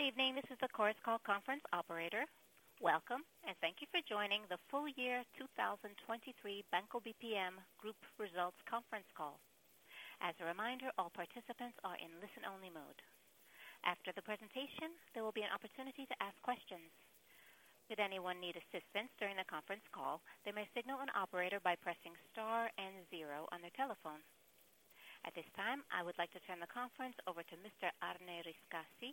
Good evening, this is the Chorus Call Conference Operator. Welcome, and thank you for joining the full-year 2023 Banco BPM Group Results Conference Call. As a reminder, all participants are in listen-only mode. After the presentation, there will be an opportunity to ask questions. Should anyone need assistance during the conference call, they may signal an operator by pressing star and zero on their telephone. At this time, I would like to turn the conference over to Mr. Arne Riscassi,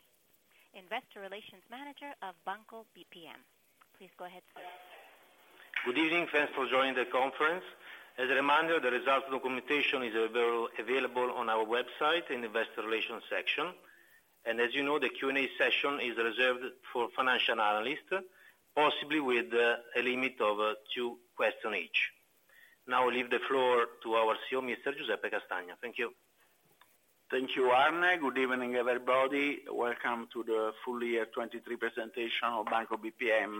Investor Relations Manager of Banco BPM. Please go ahead, sir. Good evening, thanks for joining the conference. As a reminder, the results documentation is available on our website in the Investor Relations section. As you know, the Q&A session is reserved for financial analysts, possibly with a limit of two questions each. Now I'll leave the floor to our CEO, Mr. Giuseppe Castagna. Thank you. Thank you, Arne. Good evening, everybody. Welcome to the full-year 2023 presentation of Banco BPM.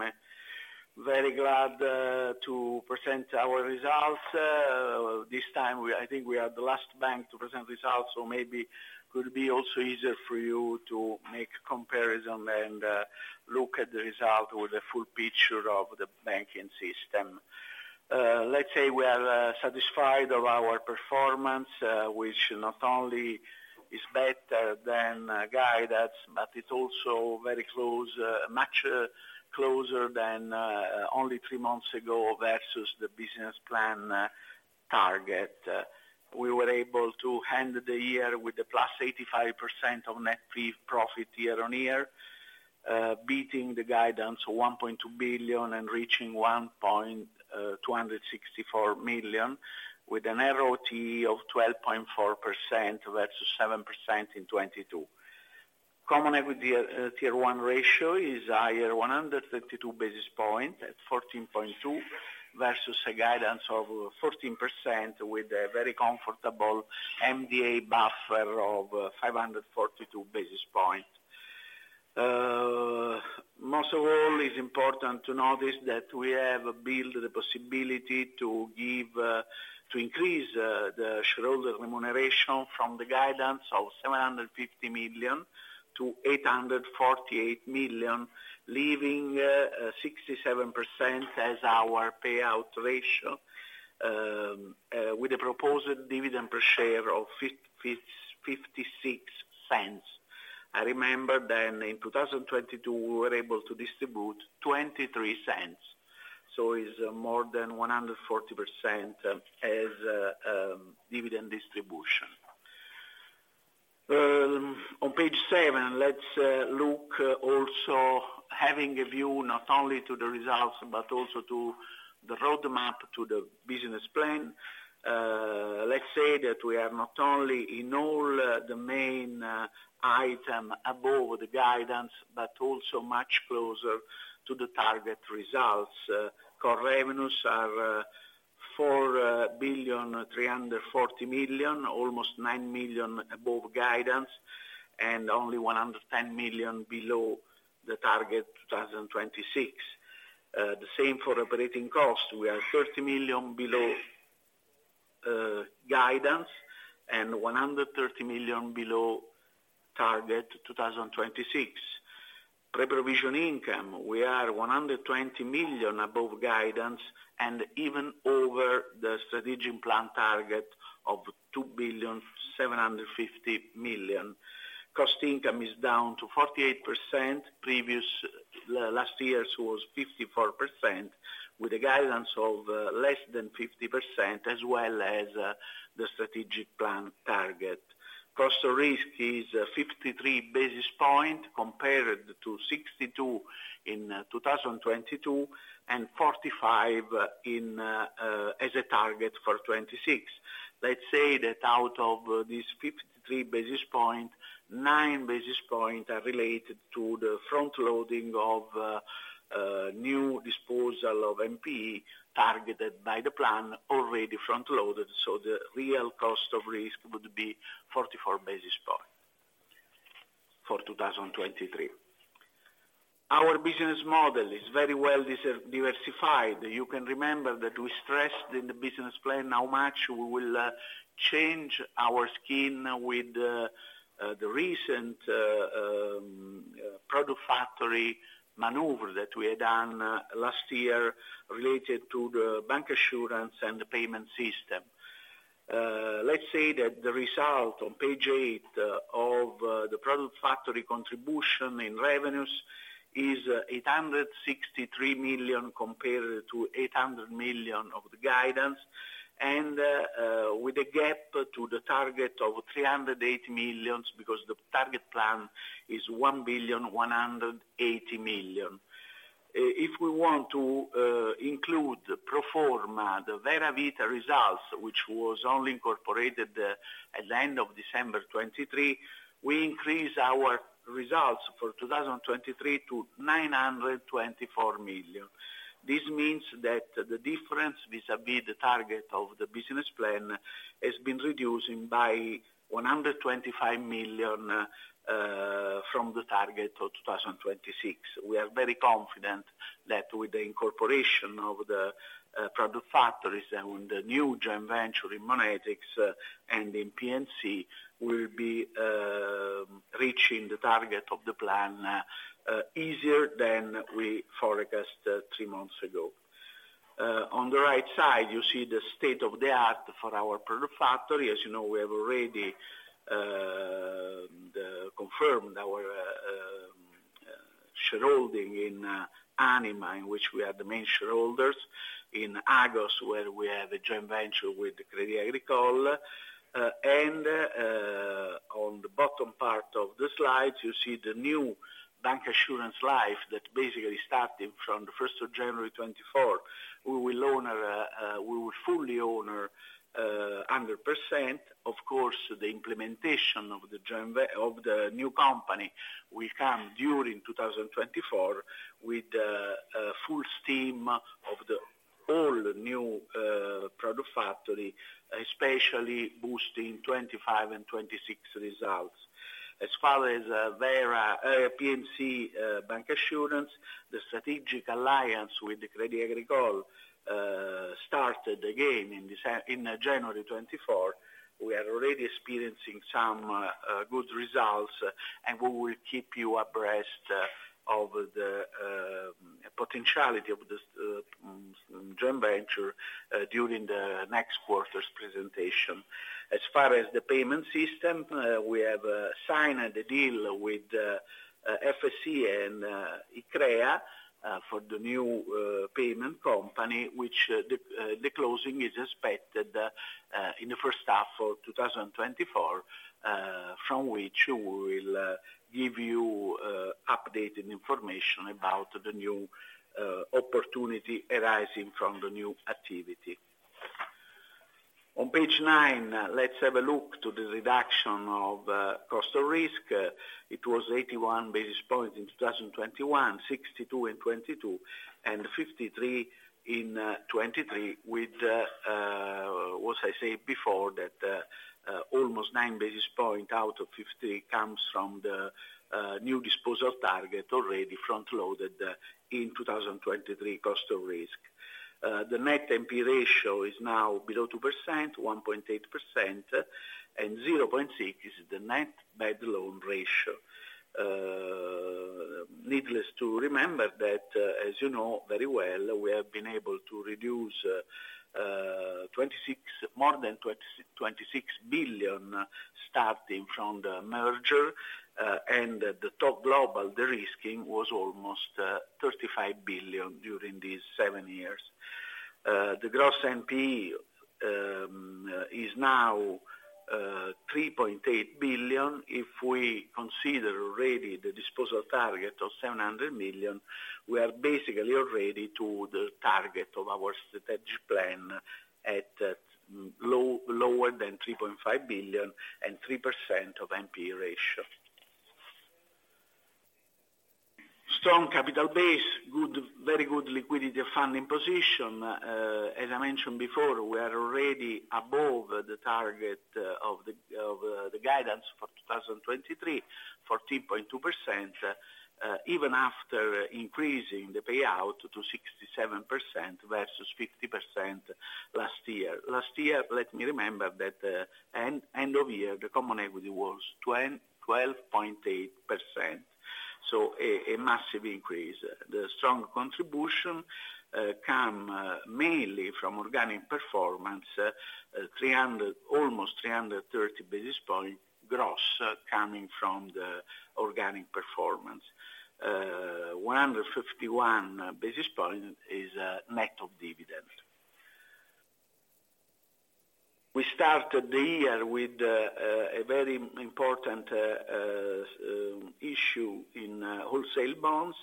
Very glad to present our results. This time I think we are the last bank to present results, so maybe it could be also easier for you to make comparison and look at the result with a full picture of the banking system. Let's say we are satisfied of our performance, which not only is better than guidance, but it's also very close, much closer than only three months ago versus the business plan target. We were able to end the year with a +85% of net profit year-on-year, beating the guidance of 1.2 billion and reaching 1,264 million, with an ROTE of 12.4% versus 7% in 2022. Common Equity Tier 1 ratio is higher, 132 basis points, at 14.2 versus a guidance of 14% with a very comfortable MDA buffer of 542 basis points. Most of all, it's important to notice that we have built the possibility to give to increase, the shareholder remuneration from 750 million to 848 million, leaving, 67% as our payout ratio, with a proposed dividend per share of 0.56. I remember then in 2022 we were able to distribute 0.23, so it's, more than 140%, as, dividend distribution. On page seven, let's, look also having a view not only to the results but also to the roadmap to the business plan. Let's say that we are not only in all, the main, item above the guidance but also much closer to the target results. Core revenues are 4,340 million, almost 9 million above guidance, and only 110 million below the target 2026. The same for operating costs. We are 30 million below guidance and 130 million below target 2026. Pre-provision income, we are 120 million above guidance and even over the strategic plan target of 2,750 million. Cost income is down to 48%; previous last year's was 54% with a guidance of less than 50% as well as the strategic plan target. Cost of risk is 53 basis points compared to 62 in 2022 and 45 basis points as a target for 2026. Let's say that out of these 53 basis points, 9 basis points are related to the front-loading of new disposal of NPE targeted by the plan, already front-loaded, so the real cost of risk would be 44 basis points for 2023. Our business model is very well diversified. You can remember that we stressed in the business plan how much we will change our scheme with the recent product factory maneuver that we had done last year related to the bancassurance and the payment system. Let's say that the result on page eight of the product factory contribution in revenues is 863 million compared to 800 million of the guidance, and with a gap to the target of 380 million because the target plan is 1,180 million. If we want to include pro forma the Vera Vita results, which was only incorporated at the end of December 2023, we increase our results for 2023 to 924 million. This means that the difference vis-à-vis the target of the business plan has been reducing by 125 million, from the target of 2026. We are very confident that with the incorporation of the product factories and the new joint venture in Monetics and in P&C, we'll be reaching the target of the plan easier than we forecast three months ago. On the right side, you see the state of the art for our product factory. As you know, we have already confirmed our shareholding in Anima, in which we are the main shareholders, in Agos where we have a joint venture with Crédit Agricole. On the bottom part of the slide, you see the new bancassurance life that basically started from the 1st of January 2024. We will own, we will fully own 100%. Of course, the implementation of the joint venture of the new company will come during 2024 with full steam of the all new product factory, especially boosting 2025 and 2026 results. As far as Vera, P&C, bank assurance, the strategic alliance with Crédit Agricole started again in December in January 2024. We are already experiencing some good results, and we will keep you abreast of the potentiality of this joint venture during the next quarter's presentation. As far as the payment system, we have signed the deal with FSI and Iccrea for the new payment company, which the closing is expected in the first half of 2024, from which we will give you updated information about the new opportunity arising from the new activity. On page nine, let's have a look to the reduction of cost of risk. It was 81 basis points in 2021, 62 in 2022, and 53 in 2023 with what I said before, that almost 9 basis points out of 53 comes from the new disposal target already front-loaded in 2023 cost of risk. The net NPE ratio is now below 2%, 1.8%, and 0.6% is the net bad loan ratio. Needless to remember that, as you know very well, we have been able to reduce more than 26 billion starting from the merger, and at the time of the merger, the NPL stock was almost 35 billion during these seven years. The gross NPE is now 3.8 billion. If we consider already the disposal target of 700 million, we are basically already at the target of our strategic plan at lower than 3.5 billion and 3% NPE ratio. Strong capital base, very good liquidity and funding position. As I mentioned before, we are already above the target of the guidance for 2023 for 10.2%, even after increasing the payout to 67% versus 50% last year. Last year, let me remember that, end of year, the common equity was 12.8%, so a massive increase. The strong contribution comes mainly from organic performance, 300 almost 330 basis points gross coming from the organic performance. 151 basis points is net of dividend. We started the year with a very important issue in wholesale bonds.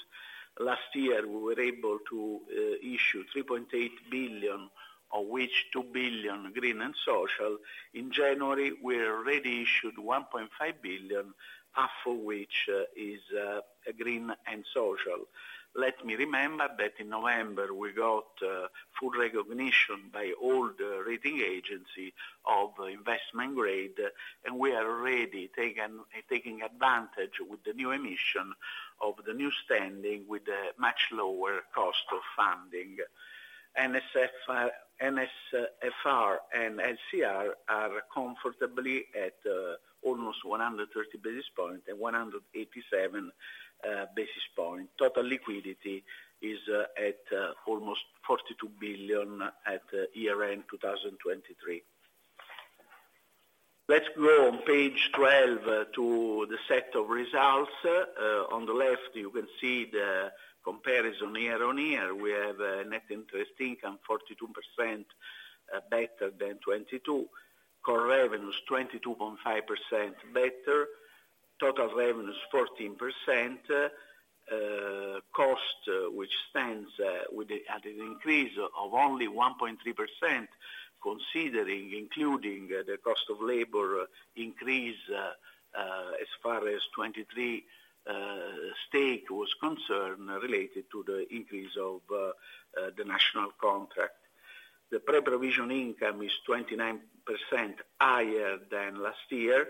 Last year, we were able to issue 3.8 billion, of which 2 billion green and social. In January, we already issued 1.5 billion, half of which is green and social. Let me remember that in November, we got full recognition by all the rating agencies of investment grade, and we are already taking advantage with the new emission of the new standing with a much lower cost of funding. NSFR and LCR are comfortably at almost 130 basis points and 187 basis points. Total liquidity is at almost 42 billion at year-end 2023. Let's go on page 12 to the set of results. On the left, you can see the comparison year-on-year. We have net interest income 42% better than 2022, core revenues 22.5% better, total revenues 14%, cost, which stands with an increase of only 1.3% considering including the cost of labor increase, as far as 2023 was concerned related to the increase of the national contract. The pre-provision income is 29% higher than last year.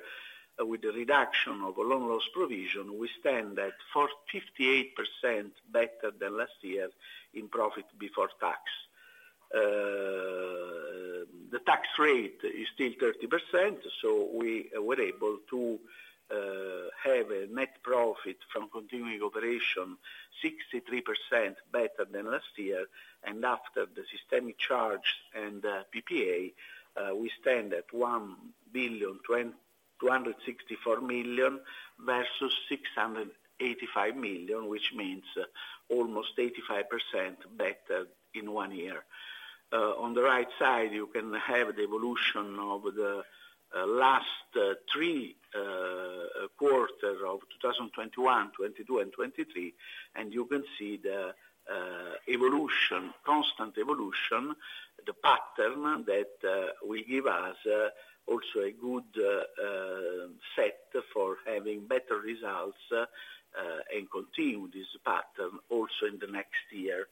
With the reduction of a loan loss provision, we stand at 458% better than last year in profit before tax. The tax rate is still 30%, so we were able to have a net profit from continuing operation 63% better than last year. After the systemic charge and PPA, we stand at 1,264 million versus 685 million, which means almost 85% better in one year. On the right side, you can have the evolution of the last three quarters of 2021, 2022, and 2023, and you can see the evolution constant evolution, the pattern that will give us also a good set for having better results, and continue this pattern also in the next year.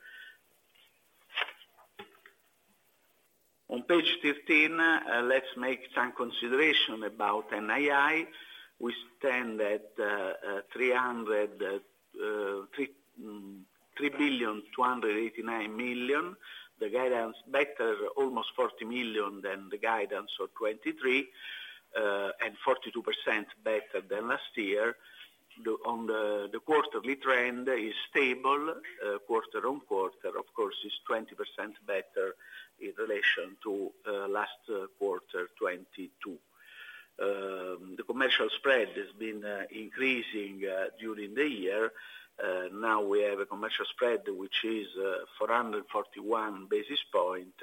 On page 13, let's make some consideration about NII. We stand at 3,289 million, the guidance better almost 40 million than the guidance of 2023, and 42% better than last year. The quarterly trend is stable, quarter-on-quarter. Of course, it's 20% better in relation to last quarter 2022. The commercial spread has been increasing during the year. Now we have a commercial spread which is 441 basis points,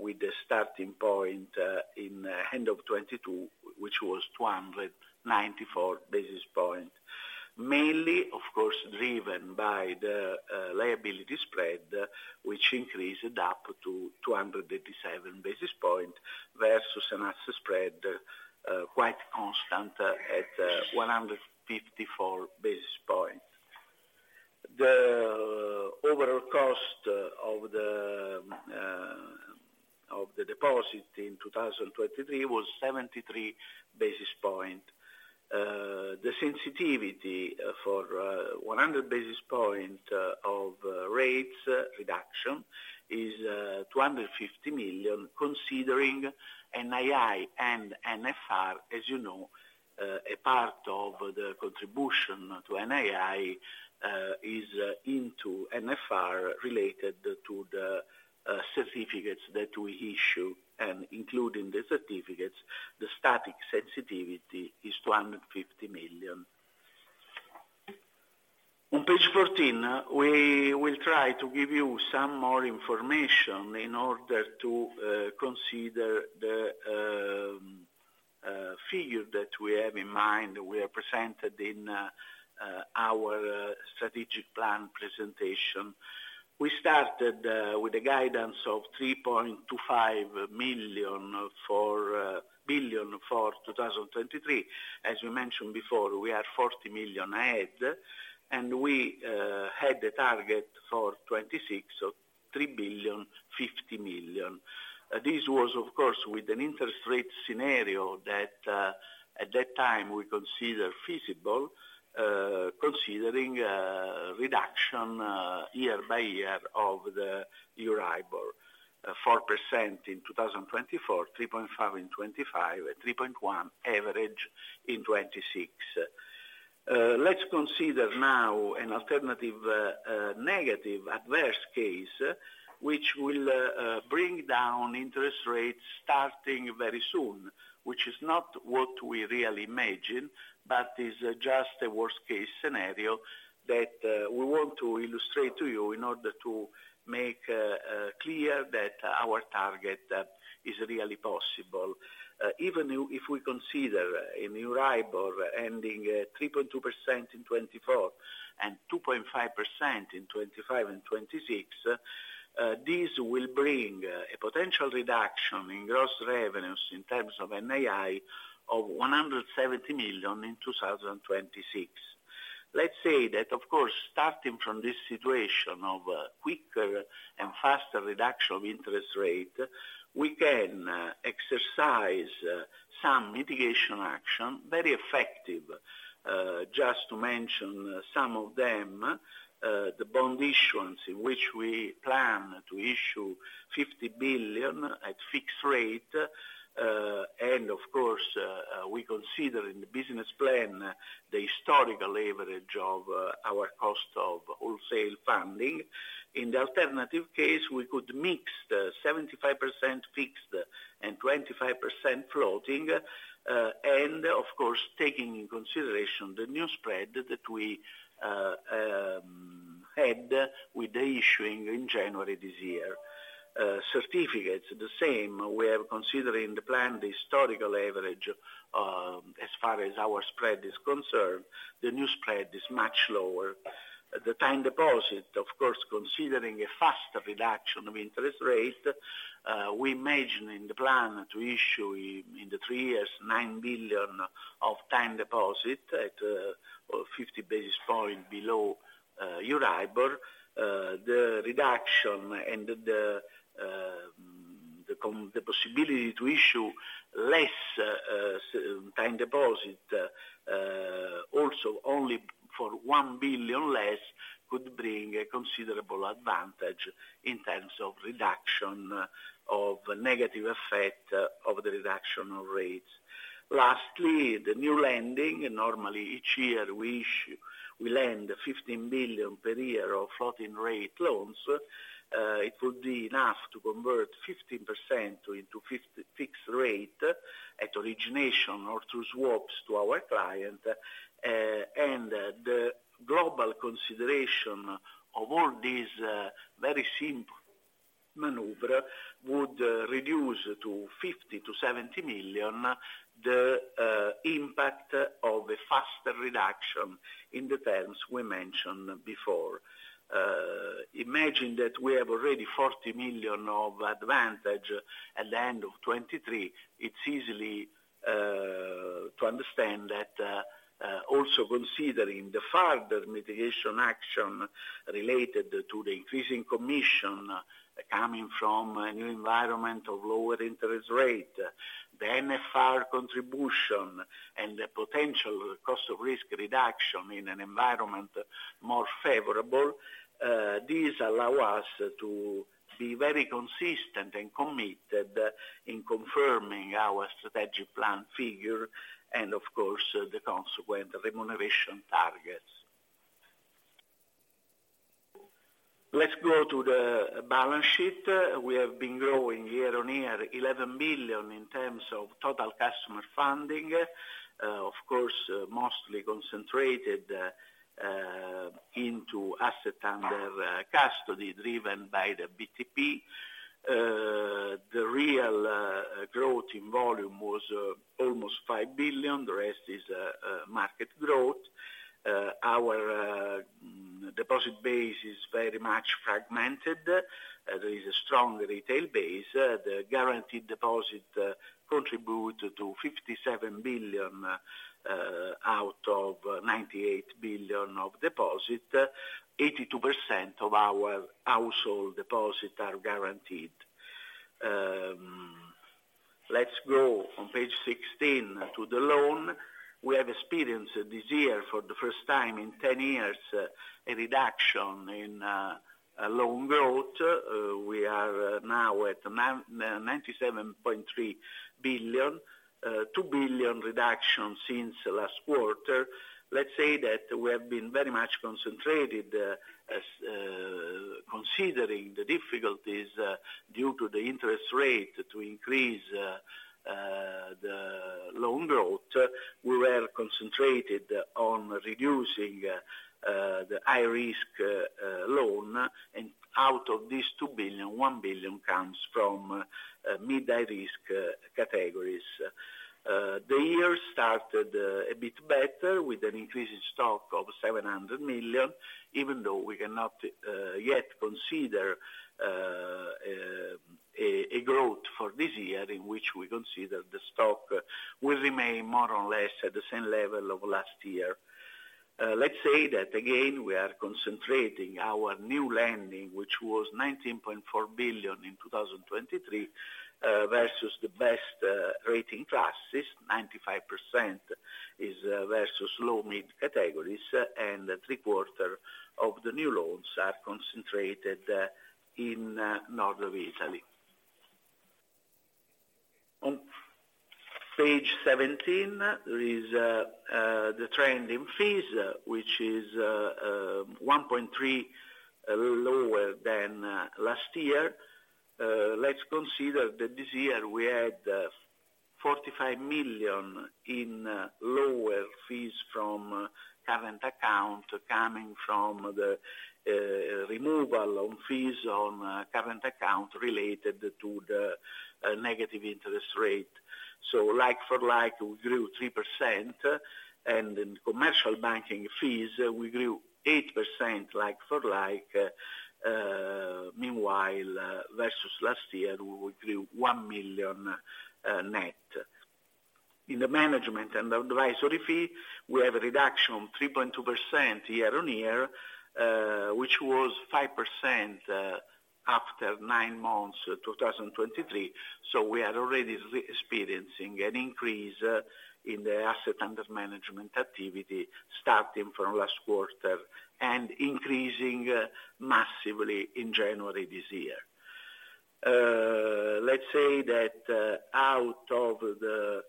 with the starting point in end of 2022, which was 294 basis points, mainly, of course, driven by the liability spread, which increased up to 287 basis points versus an asset spread, quite constant at 154 basis points. The overall cost of the deposit in 2023 was 73 basis points. The sensitivity for 100 basis points of rates reduction is 250 million considering NII and NFR. As you know, a part of the contribution to NII is into NFR related to the certificates that we issue. And including the certificates, the static sensitivity is 250 million. On page 14, we will try to give you some more information in order to consider the figure that we have in mind we are presented in our strategic plan presentation. We started with the guidance of 3.25 billion for 2023. As we mentioned before, we are 40 million ahead, and we had the target for 2026 of EUR 3.05 billion. This was, of course, with an interest rate scenario that at that time we considered feasible, considering reduction year-by-year of the Euribor, 4% in 2024, 3.5% in 2025, and 3.1% average in 2026. Let's consider now an alternative negative adverse case which will bring down interest rates starting very soon, which is not what we really imagine but is just a worst-case scenario that we want to illustrate to you in order to make clear that our target is really possible. Even if we consider a Euribor ending 3.2% in 2024 and 2.5% in 2025 and 2026, this will bring a potential reduction in gross revenues in terms of NII of 170 million in 2026. Let's say that, of course, starting from this situation of quicker and faster reduction of interest rate, we can exercise some mitigation action very effective. Just to mention some of them, the bond issuance in which we plan to issue 50 billion at fixed rate, and, of course, we consider in the business plan the historical average of our cost of wholesale funding. In the alternative case, we could mix the 75% fixed and 25% floating, and, of course, taking into consideration the new spread that we had with the issuing in January this year. Certificates, the same. We are considering the plan the historical average, as far as our spread is concerned. The new spread is much lower. The time deposit, of course, considering a faster reduction of interest rate, we imagine in the plan to issue in the three years, 9 billion of time deposit at, or 50 basis points below, Euribor. The reduction and the possibility to issue less time deposit, also only for 1 billion less, could bring a considerable advantage in terms of reduction of negative effect of the reduction of rates. Lastly, the new lending, normally each year we issue we lend 15 billion per year of floating rate loans. It would be enough to convert 15% into fixed rate at origination or through swaps to our client. And the global consideration of all these, very simple maneuver would reduce to 50 million-70 million the impact of a faster reduction in the terms we mentioned before. Imagine that we have already 40 million of advantage at the end of 2023. It's easy to understand that, also considering the further mitigation action related to the increasing commission coming from a new environment of lower interest rate, the NFR contribution, and the potential cost of risk reduction in an environment more favorable, these allow us to be very consistent and committed in confirming our strategic plan figure and, of course, the consequent remuneration targets. Let's go to the balance sheet. We have been growing year-on-year 11 billion in terms of total customer funding, of course, mostly concentrated into assets under custody driven by the BTP. The real growth in volume was almost 5 billion. The rest is market growth. Our deposit base is very much fragmented. There is a strong retail base. The guaranteed deposit contributed to 57 billion out of 98 billion of deposit. 82% of our household deposits are guaranteed. Let's go on page 16 to the loans. We have experienced this year for the first time in 10 years a reduction in loan growth. We are now at 97.3 billion, 2 billion reduction since last quarter. Let's say that we have been very much concentrated as considering the difficulties due to the interest rate to increase the loan growth. We were concentrated on reducing the high-risk loans. And out of these 2 billion, 1 billion comes from mid-high-risk categories. The year started a bit better with an increasing stock of 700 million, even though we cannot yet consider a growth for this year in which we consider the stock will remain more or less at the same level of last year. Let's say that, again, we are concentrating our new lending, which was 19.4 billion in 2023, versus the best rating classes, 95% is versus low-mid categories, and three-quarters of the new loans are concentrated in north of Italy. On page 17, there is the trend in fees, which is 1.3% lower than last year. Let's consider that this year we had 45 million in lower fees from current account coming from the removal of fees on current account related to the negative interest rate. So like-for-like, we grew 3%. And in commercial banking fees, we grew 8% like-for-like. Meanwhile, versus last year, we grew 1 million net. In the management and advisory fee, we have a reduction of 3.2% year-on-year, which was 5% after 9 months 2023. So we are already re-experiencing an increase in the asset under management activity starting from last quarter and increasing, massively in January this year. Let's say that, out of the,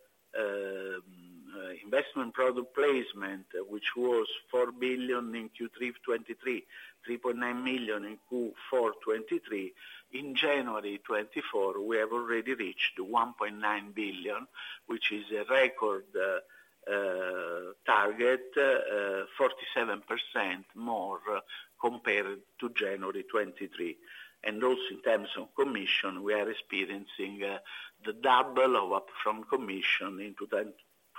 investment product placement, which was 4 billion in Q3 of 2023, 3.9 million in Q4 of 2023, in January 2024, we have already reached 1.9 billion, which is a record, target, 47% more compared to January 2023. And also in terms of commission, we are experiencing, the double of upfront commission in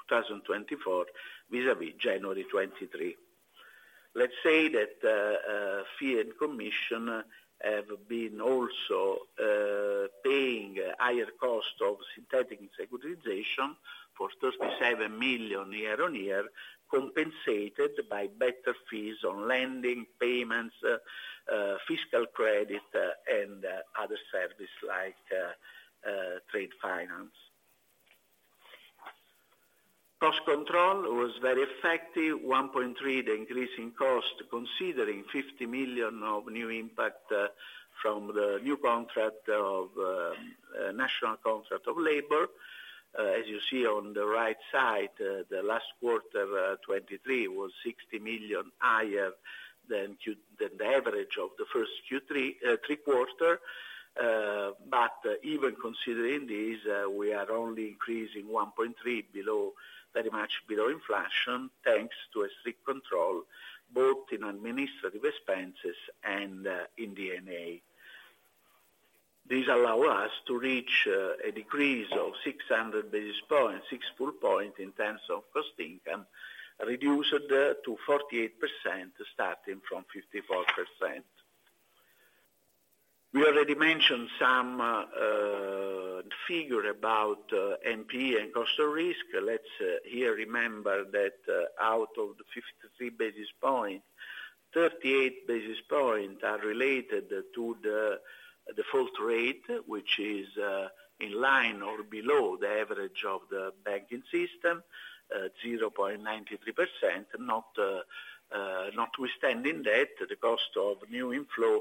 2024 vis-à-vis January 2023. Let's say that, fee and commission have been also, paying higher cost of synthetic securitization for 37 million year on year compensated by better fees on lending, payments, fiscal credit, and, other service like, trade finance. Cost control was very effective, 1.3 the increasing cost considering 50 million of new impact, from the new contract of, national contract of labor. As you see on the right side, the last quarter, 2023 was 60 million higher than Q than the average of the first Q3, three-quarter. But even considering these, we are only increasing 1.3% below very much below inflation thanks to a strict control both in administrative expenses and, in D&A. These allow us to reach, a decrease of 600 basis points, 6 full points in terms of cost income, reduced to 48% starting from 54%. We already mentioned some, figure about, NP and cost of risk. Let's, here remember that, out of the 53 basis points, 38 basis points are related to the, the default rate, which is, in line or below the average of the banking system, 0.93%, not, not withstanding debt. The cost of new inflow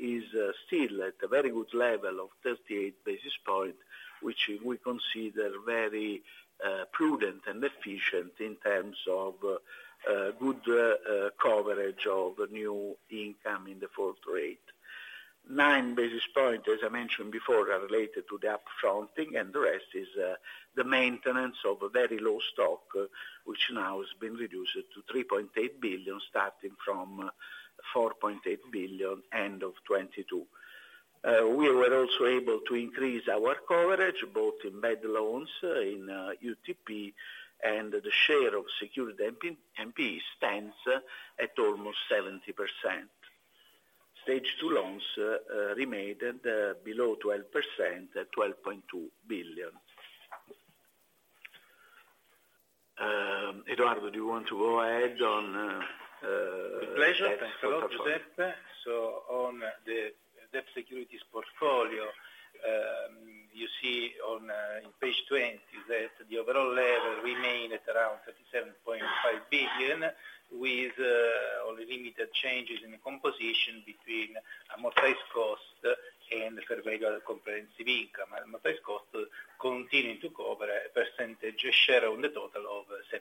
is still at a very good level of 38 basis points, which we consider very prudent and efficient in terms of good coverage of new income in the default rate. 9 basis points, as I mentioned before, are related to the upfronting, and the rest is the maintenance of a very low stock, which now has been reduced to 3.8 billion starting from 4.8 billion end of 2022. We were also able to increase our coverage both in bad loans in UTP, and the share of secured NP stands at almost 70%. Stage 2 loans remained below 12% at 12.2 billion. Edoardo, do you want to go ahead on, Pleasure. Thanks. Hello to Giuseppe. So on the debt securities portfolio, you see on in page 20 that the overall level remained at around 37.5 billion with only limited changes in composition between amortized cost and fair value comprehensive income. Amortized cost continuing to cover a percentage share on the total of 70%.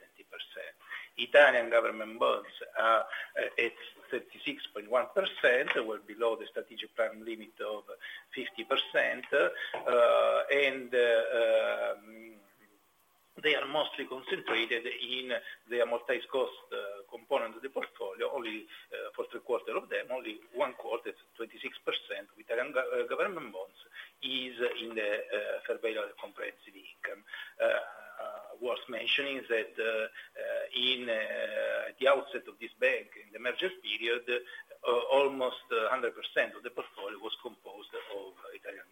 Italian government bonds are at 36.1%, well below the strategic plan limit of 50%. They are mostly concentrated in the amortized cost component of the portfolio. Only for three-quarters of them, only one-quarter, 26% of Italian government bonds is in the fair value comprehensive income. Worth mentioning is that in the outset of this bank, in the merger period, almost 100% of the portfolio was composed of Italian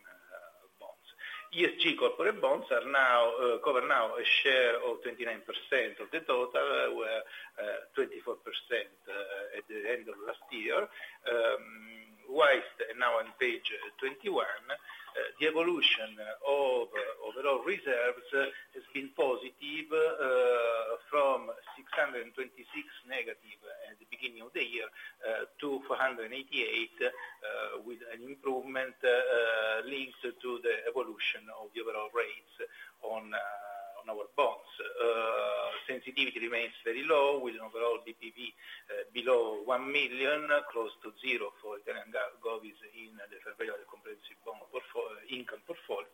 bonds. ESG corporate bonds now cover a share of 29% of the total, where 24% at the end of last year. While now on page 21, the evolution of overall reserves has been positive, from -626 at the beginning of the year, to 488, with an improvement, linked to the evolution of the overall rates on our bonds. Sensitivity remains very low with an overall DPV below 1 million, close to zero for Italian Govies in the fair value comprehensive bond portfolio income portfolio.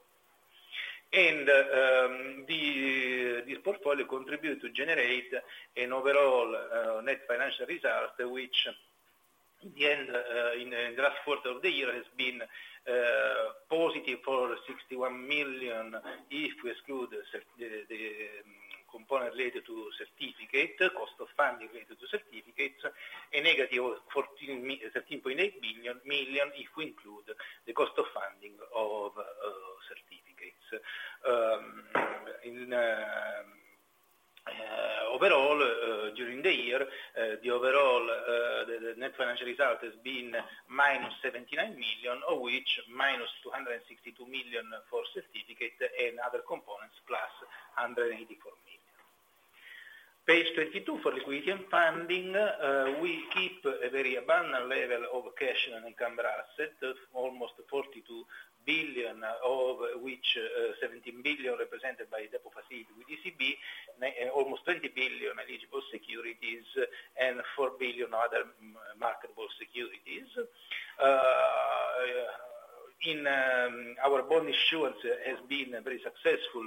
This portfolio contributed to generate an overall net financial result which, in the end, in the last quarter of the year, has been positive for 61 million if we exclude the component related to certificate cost of funding related to certificates, and negative 13.8 billion if we include the cost of funding of certificates. Overall, during the year, the overall net financial result has been -79 million, of which -262 million for certificates and other components +EUR 184 million. Page 22 for liquidity and funding, we keep a very abundant level of cash and income assets, almost 42 billion, of which 17 billion represented by deposit facility with ECB, and almost 20 billion eligible securities, and 4 billion other marketable securities. In our bond issuance has been very successful,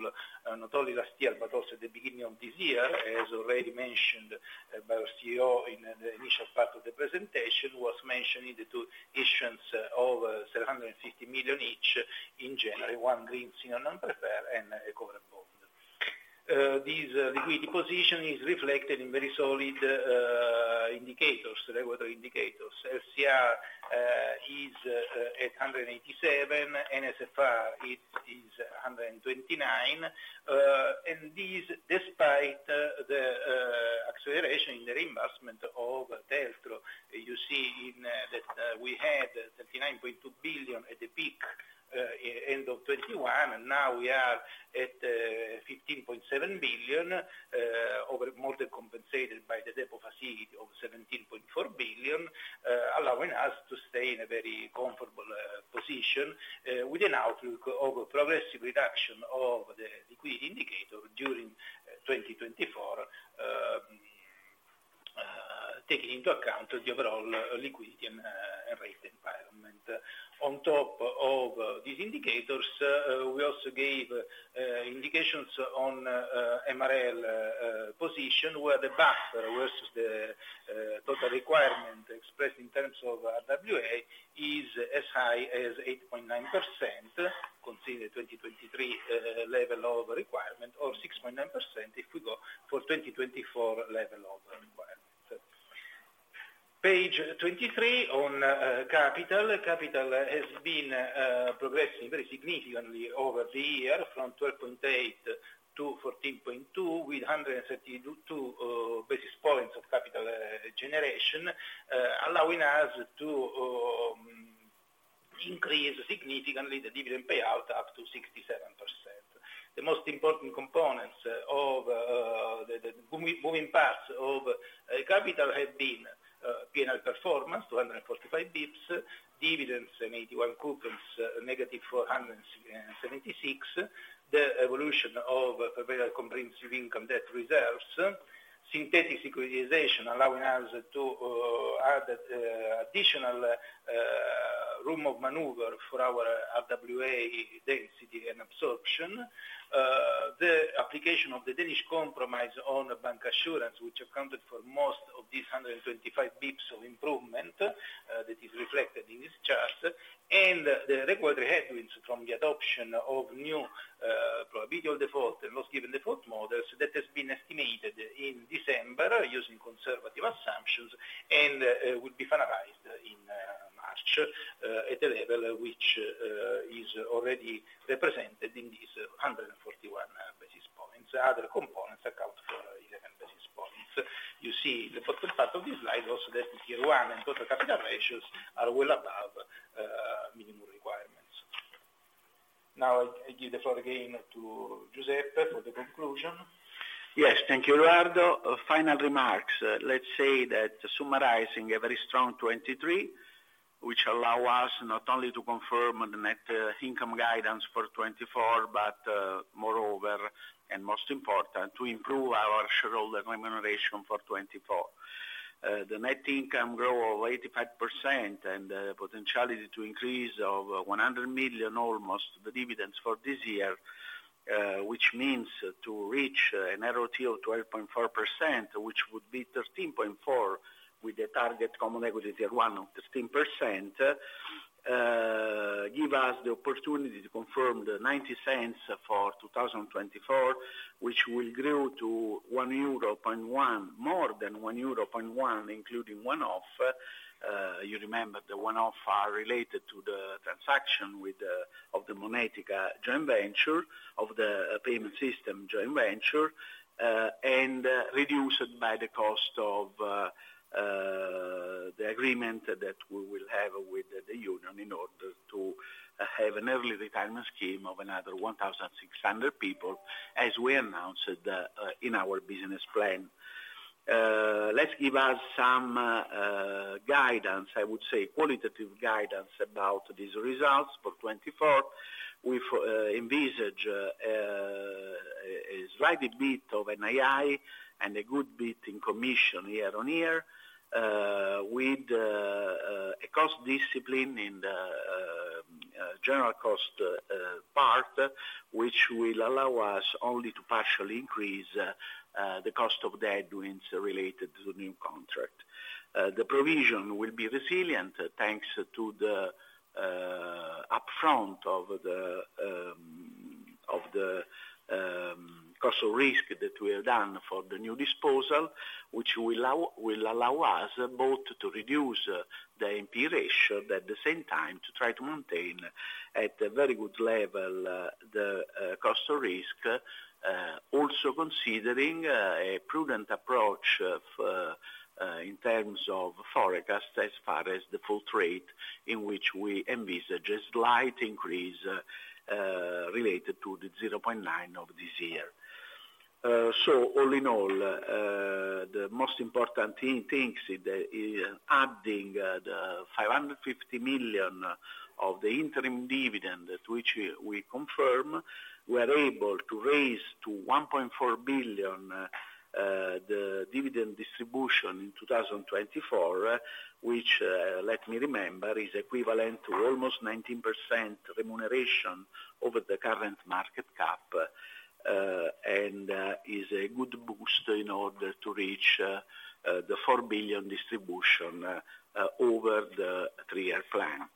not only last year but also at the beginning of this year, as already mentioned by our CEO in the initial part of the presentation, was mentioning the two issuances of 750 million each in January, one green senior non-preferred and a covered bond. This liquidity position is reflected in very solid indicators, regulatory indicators. LCR is at 187%. NSFR it is 129%. These, despite the acceleration in the reimbursement of TLTRO, you see, in that we had 39.2 billion at the peak in end of 2021, and now we are at 15.7 billion, more than compensated by the deposit facility of 17.4 billion, allowing us to stay in a very comfortable position, with an outlook of a progressive reduction of the liquidity indicator during 2024, taking into account the overall liquidity and rate environment. On top of these indicators, we also gave indications on MREL position where the buffer versus the total requirement expressed in terms of RWA is as high as 8.9%, considering the 2023 level of requirement, or 6.9% if we go for 2024 level of requirement. Page 23 on capital. Capital has been progressing very significantly over the year from 12.8 to 14.2 with 132 basis points of capital generation, allowing us to increase significantly the dividend payout up to 67%. The most important components of the moving parts of capital have been P&L performance, 245 basis points, dividends and 81 coupons, negative 476, the evolution of fair value comprehensive income debt reserves, synthetic securitization allowing us to add additional room of maneuver for our RWA density and absorption, the application of the Danish Compromise on bancassurance, which accounted for most of these 125 basis points of improvement that is reflected in this chart, and the regulatory headwinds from the adoption of new probability of default and loss-given default models that has been estimated in December using conservative assumptions and would be finalized in March at a level which is already represented in these 141 basis points. Other components account for 11 basis points. You see the important part of this slide also that year one and total capital ratios are well above minimum requirements. Now, I give the floor again to Giuseppe for the conclusion. Yes. Thank you, Edoardo. Final remarks. Let's say that summarizing a very strong 2023, which allow us not only to confirm the net income guidance for 2024 but, moreover, and most important, to improve our shareholder remuneration for 2024. The net income growth of 85% and the potentiality to increase of almost 100 million the dividends for this year, which means to reach an ROT of 12.4%, which would be 13.4% with the target Common Equity Tier 1 of 13%, give us the opportunity to confirm the 0.90 for 2024, which will grow to 1.1 euro, more than 1.1 euro including one-off. You remember the one-off are related to the transaction with of the Monetica joint venture of the payment system joint venture, and reduced by the cost of the agreement that we will have with the union in order to have an early retirement scheme of another 1,600 people as we announced in our business plan. Let's give us some guidance, I would say qualitative guidance about these results for 2024 with envisage a slight bit of an NII and a good bit in commissions year-on-year, with a cost discipline in the general cost part, which will allow us only to partially increase the cost of the headwinds related to new contract. The provision will be resilient thanks to the upfront of the cost of risk that we have done for the new disposal, which will allow us both to reduce the NP ratio but at the same time to try to maintain at a very good level the cost of risk, also considering a prudent approach in terms of forecast as far as the default rate in which we envisage a slight increase, related to the 0.9% of this year. So all in all, the most important thing is adding the 550 million of the interim dividend to which we confirm. We are able to raise to 1.4 billion the dividend distribution in 2024, which, let me remember, is equivalent to almost 19% remuneration over the current market cap, and is a good boost in order to reach the 4 billion distribution over the three-year plan.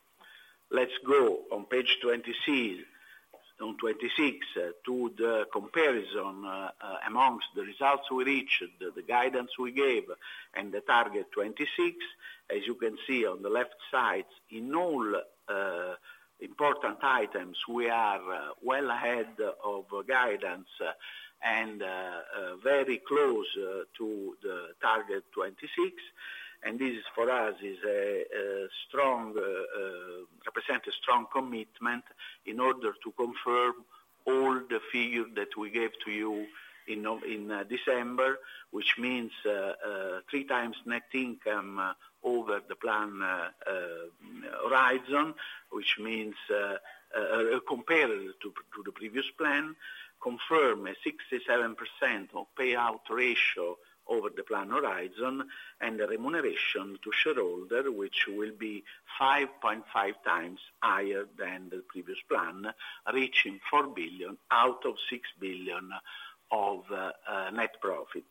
Let's go on page 26 to the comparison among the results we reached, the guidance we gave, and the target 2026. As you can see on the left side, in all important items, we are well ahead of guidance and very close to the target 2026. This is for us a strong representation of a strong commitment in order to confirm all the figures that we gave to you in December, which means three times net income over the plan horizon, which means, compared to the previous plan, confirm a 67% payout ratio over the plan horizon, and the remuneration to shareholders, which will be 5.5 times higher than the previous plan, reaching 4 billion out of 6 billion of net profit.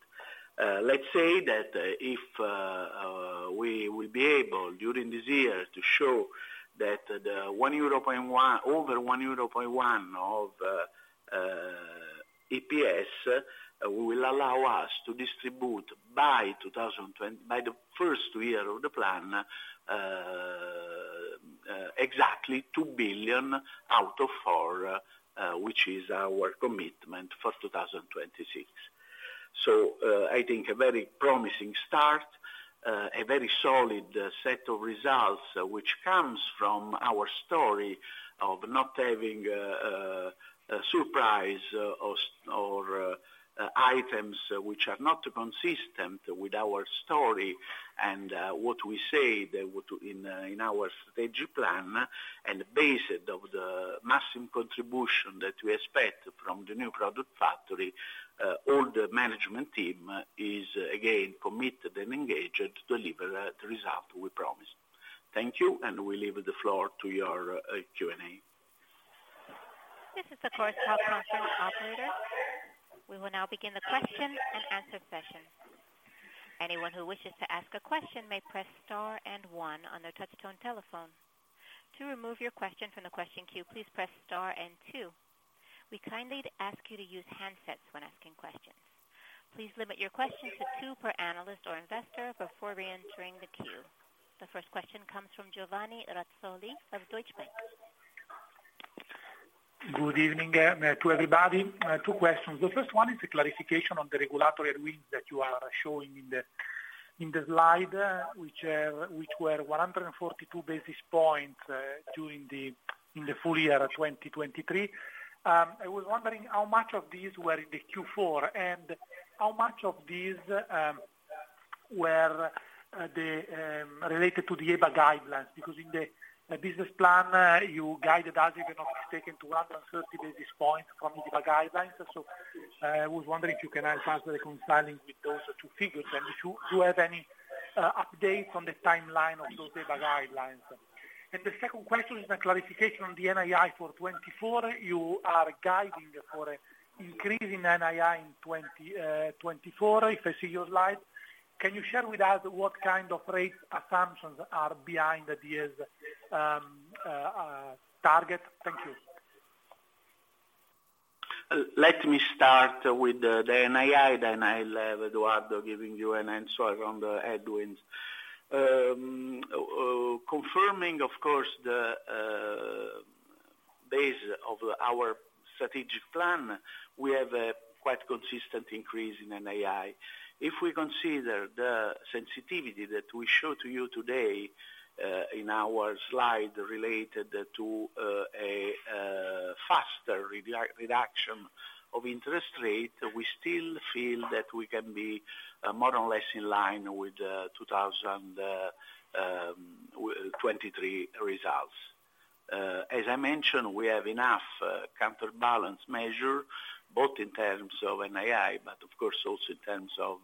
Let's say that if we will be able during this year to show that the 1.1 euro over 1.1 of EPS will allow us to distribute by 2020 by the first year of the plan, exactly 2 billion out of 4 billion, which is our commitment for 2026. So, I think a very promising start, a very solid set of results which comes from our story of not having surprise or items which are not consistent with our story and what we say that would be in our strategic plan and based on the maximum contribution that we expect from the new product factory, all the management team is, again, committed and engaged to deliver the result we promised. Thank you, and we leave the floor to you for Q&A. This is the conference call operator. We will now begin the question and answer session. Anyone who wishes to ask a question may press star and one on their touch-tone telephone. To remove your question from the question queue, please press star and two. We kindly ask you to use handsets when asking questions. Please limit your questions to two per analyst or investor before reentering the queue. The first question comes from Giovanni Razzoli of Deutsche Bank. Good evening to everybody. Two questions. The first one is a clarification on the regulatory headwinds that you are showing in the slide, which were 142 basis points during the full-year 2023. I was wondering how much of these were in the Q4 and how much of these were related to the EBA guidelines because in the business plan, you guided us even of taking 230 basis points from the EBA guidelines. So, I was wondering if you can answer the consulting with those two figures and if you have any updates on the timeline of those EBA guidelines. And the second question is a clarification on the NII for 2024. You are guiding for an increase in NII in 2020, 2024. If I see your slide, can you share with us what kind of rate assumptions are behind the year's target? Thank you. Let me start with the NII, then I'll have Edoardo giving you an answer on the headwinds. Confirming, of course, the base of our strategic plan, we have a quite consistent increase in NII. If we consider the sensitivity that we show to you today, in our slide related to a faster reduction of interest rate, we still feel that we can be more or less in line with the 2023 results. As I mentioned, we have enough counterbalance measure both in terms of NII but, of course, also in terms of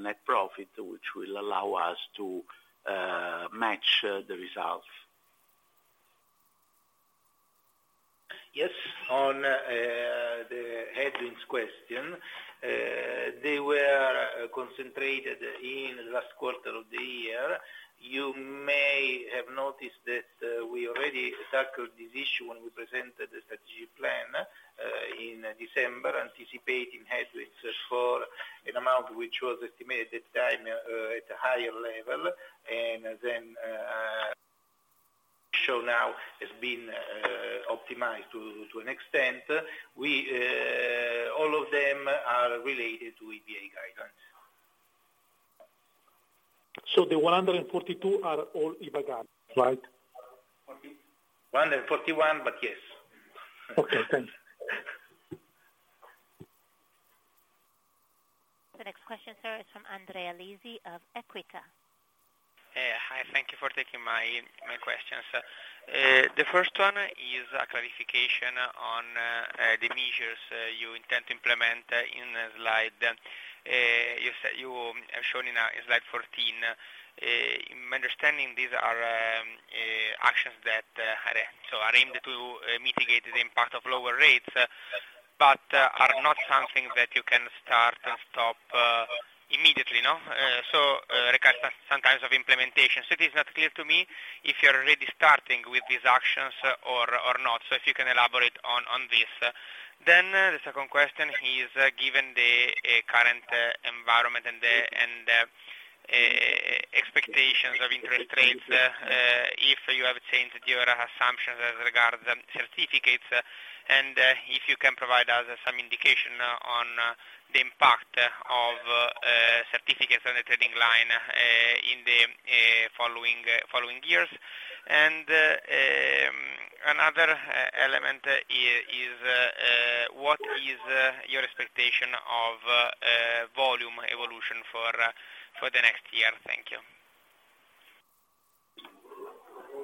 net profit, which will allow us to match the results. Yes. On the headwinds question, they were concentrated in the last quarter of the year. You may have noticed that we already tackled this issue when we presented the strategic plan in December, anticipating headwinds for an amount which was estimated at that time at a higher level, and then so now has been optimized to an extent. We all of them are related to EBA guidelines. The 142 are all EBA guidelines, right? 141, but yes. Okay. Thanks. The next question, sir, is from Andrea Lisi of Equita. Hi. Thank you for taking my, my questions. The first one is a clarification on the measures you intend to implement in the slide. You said you have shown in, in slide 14, in my understanding, these are actions that are so are aimed to mitigate the impact of lower rates but are not something that you can start and stop immediately, no? So require some-sometimes of implementation. So it is not clear to me if you're already starting with these actions or, or not. So if you can elaborate on, on this. Then the second question is, given the current environment and the and the expectations of interest rates, if you have changed your assumptions as regards certificates and if you can provide us some indication on the impact of certificates on the trading line in the following, following years. Another element is, what is your expectation of volume evolution for the next year? Thank you.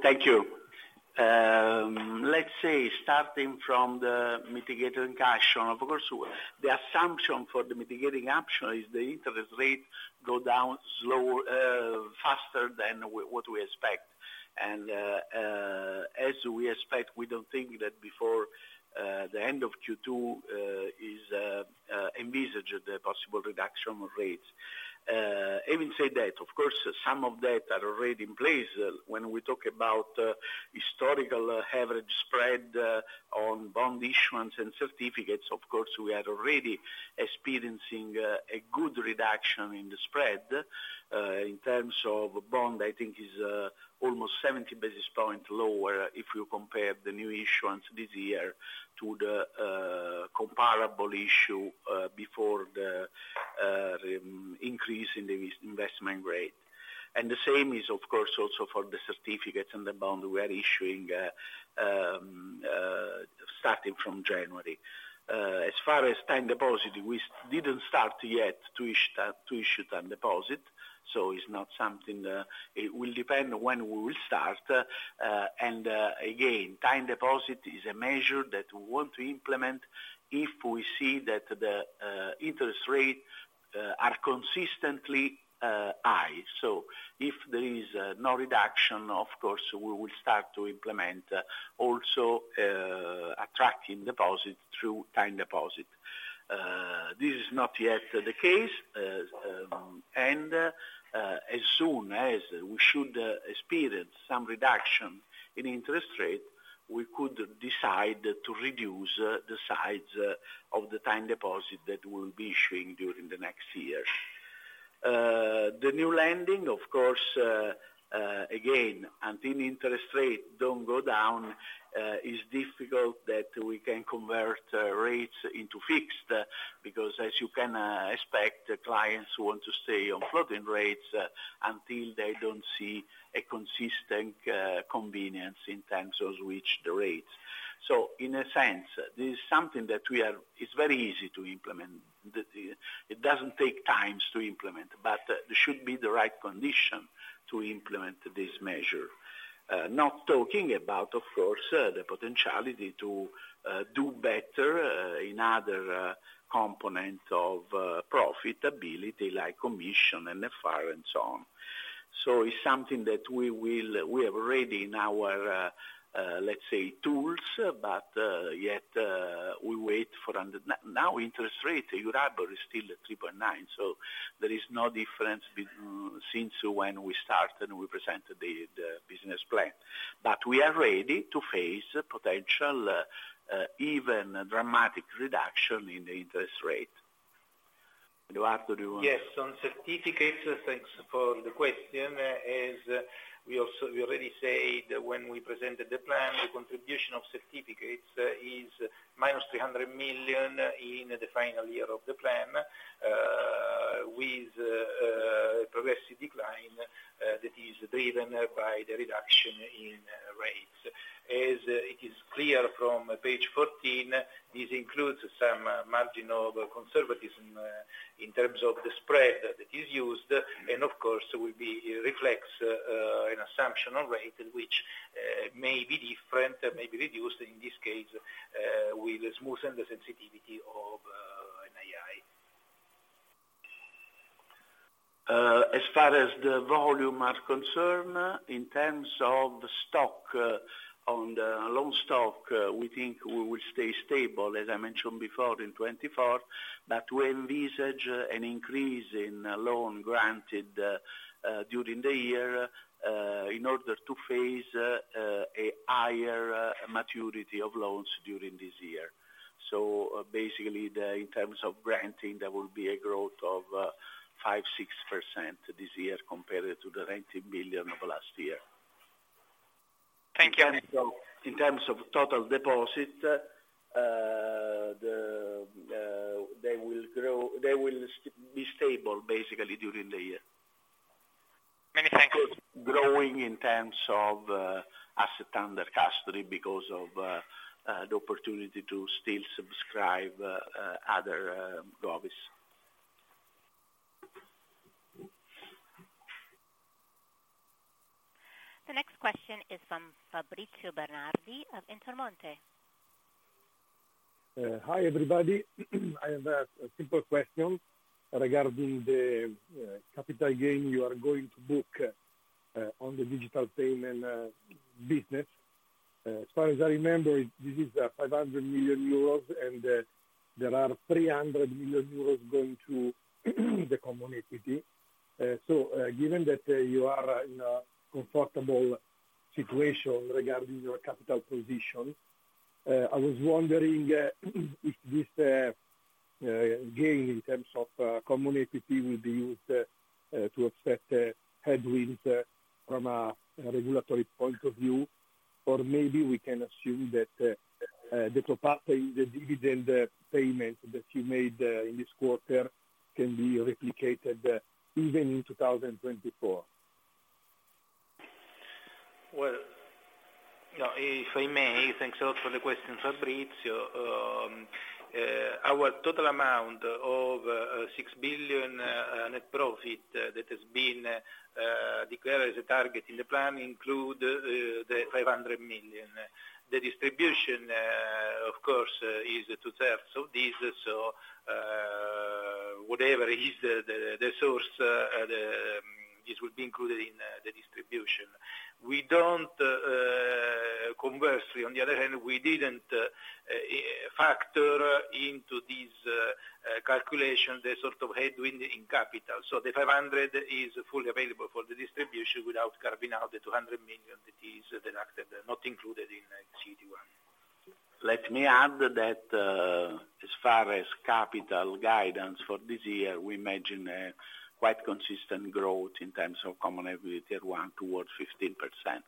Thank you. Let's say starting from the mitigated cash one. Of course, with the assumption for the mitigating option is the interest rates go down slower faster than we what we expect. And, as we expect, we don't think that before the end of Q2 is envisaged the possible reduction of rates. Having said that, of course, some of that are already in place. When we talk about historical average spread on bond issuance and certificates, of course, we are already experiencing a good reduction in the spread. In terms of bond, I think it's almost 70 basis points lower if you compare the new issuance this year to the comparable issue before the increase in the investment grade. And the same is, of course, also for the certificates and the bond we are issuing, starting from January. As far as time deposit, we didn't start yet to issue time deposit. So it's not something; it will depend when we will start. And again, time deposit is a measure that we want to implement if we see that the interest rate are consistently high. So if there is no reduction, of course, we will start to implement also a tracking deposit through time deposit. This is not yet the case. As soon as we should experience some reduction in interest rate, we could decide to reduce the size of the time deposit that we will be issuing during the next year. The new lending, of course, again, until interest rate don't go down, it's difficult that we can convert rates into fixed because, as you can expect, clients want to stay on floating rates, until they don't see a consistent convenience in terms of which the rates. So in a sense, this is something that we are, it's very easy to implement. The, the it doesn't take times to implement, but there should be the right condition to implement this measure, not talking about, of course, the potentiality to do better in other component of profitability like commission and FR and so on. So it's something that we will we have already in our, let's say, tools, but yet, we wait for under now interest rate in Europe, it's still at 3.9%. So there is no difference since when we started and we presented the, the business plan. But we are ready to face potential, even dramatic, reduction in the interest rate. Edoardo, do you want to? Yes. On certificates, thanks for the question, as we also we already said when we presented the plan, the contribution of certificates is -300 million in the final year of the plan, with progressive decline, that is driven by the reduction in rates. As it is clear from page 14, this includes some margin of conservatism, in terms of the spread that is used and, of course, will reflect an assumption on rate which may be different, may be reduced. In this case, will smoothen the sensitivity of NII. As far as the volume are concerned, in terms of stock on the loan stock, we think we will stay stable, as I mentioned before, in 2024, but we envisage an increase in loan granted, during the year, in order to phase, a higher maturity of loans during this year. So, basically, the in terms of granting, there will be a growth of, 5%-6% this year compared to the 90 million of last year. Thank you. In terms of total deposit, they will be stable, basically, during the year. Many thanks. Growing in terms of asset under custody because of the opportunity to still subscribe other govvies. The next question is from Fabrizio Bernardi of Intermonte. Hi, everybody. I have a simple question regarding the capital gain you are going to book on the digital payment business. As far as I remember, this is 500 million euros, and there are 300 million euros going to the community. So, given that you are in a comfortable situation regarding your capital position, I was wondering if this gain in terms of community will be used to offset headwinds from a regulatory point of view, or maybe we can assume that the top up in the dividend payment that you made in this quarter can be replicated even in 2024. Well, no. If I may, thanks a lot for the question, Fabrizio. Our total amount of 6 billion net profit that has been declared as a target in the plan includes the 500 million. The distribution, of course, is two-thirds of this, so whatever is the source, this will be included in the distribution. Conversely, on the other hand, we didn't factor into this calculation the sort of headwind in capital. So the 500 million is fully available for the distribution without carving out the 200 million that is deducted, not included in CET1. Let me add that, as far as capital guidance for this year, we imagine, quite consistent growth in terms of Common Equity Tier 1 towards 15%.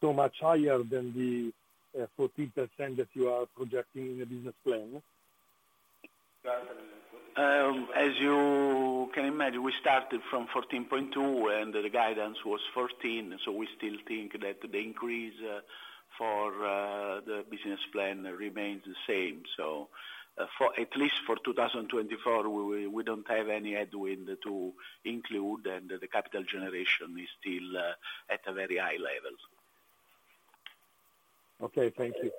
So much higher than the 14% that you are projecting in the business plan? As you can imagine, we started from 14.2, and the guidance was 14, so we still think that the increase for the business plan remains the same. So, at least for 2024, we don't have any headwind to include, and the capital generation is still at a very high level. Okay. Thank you.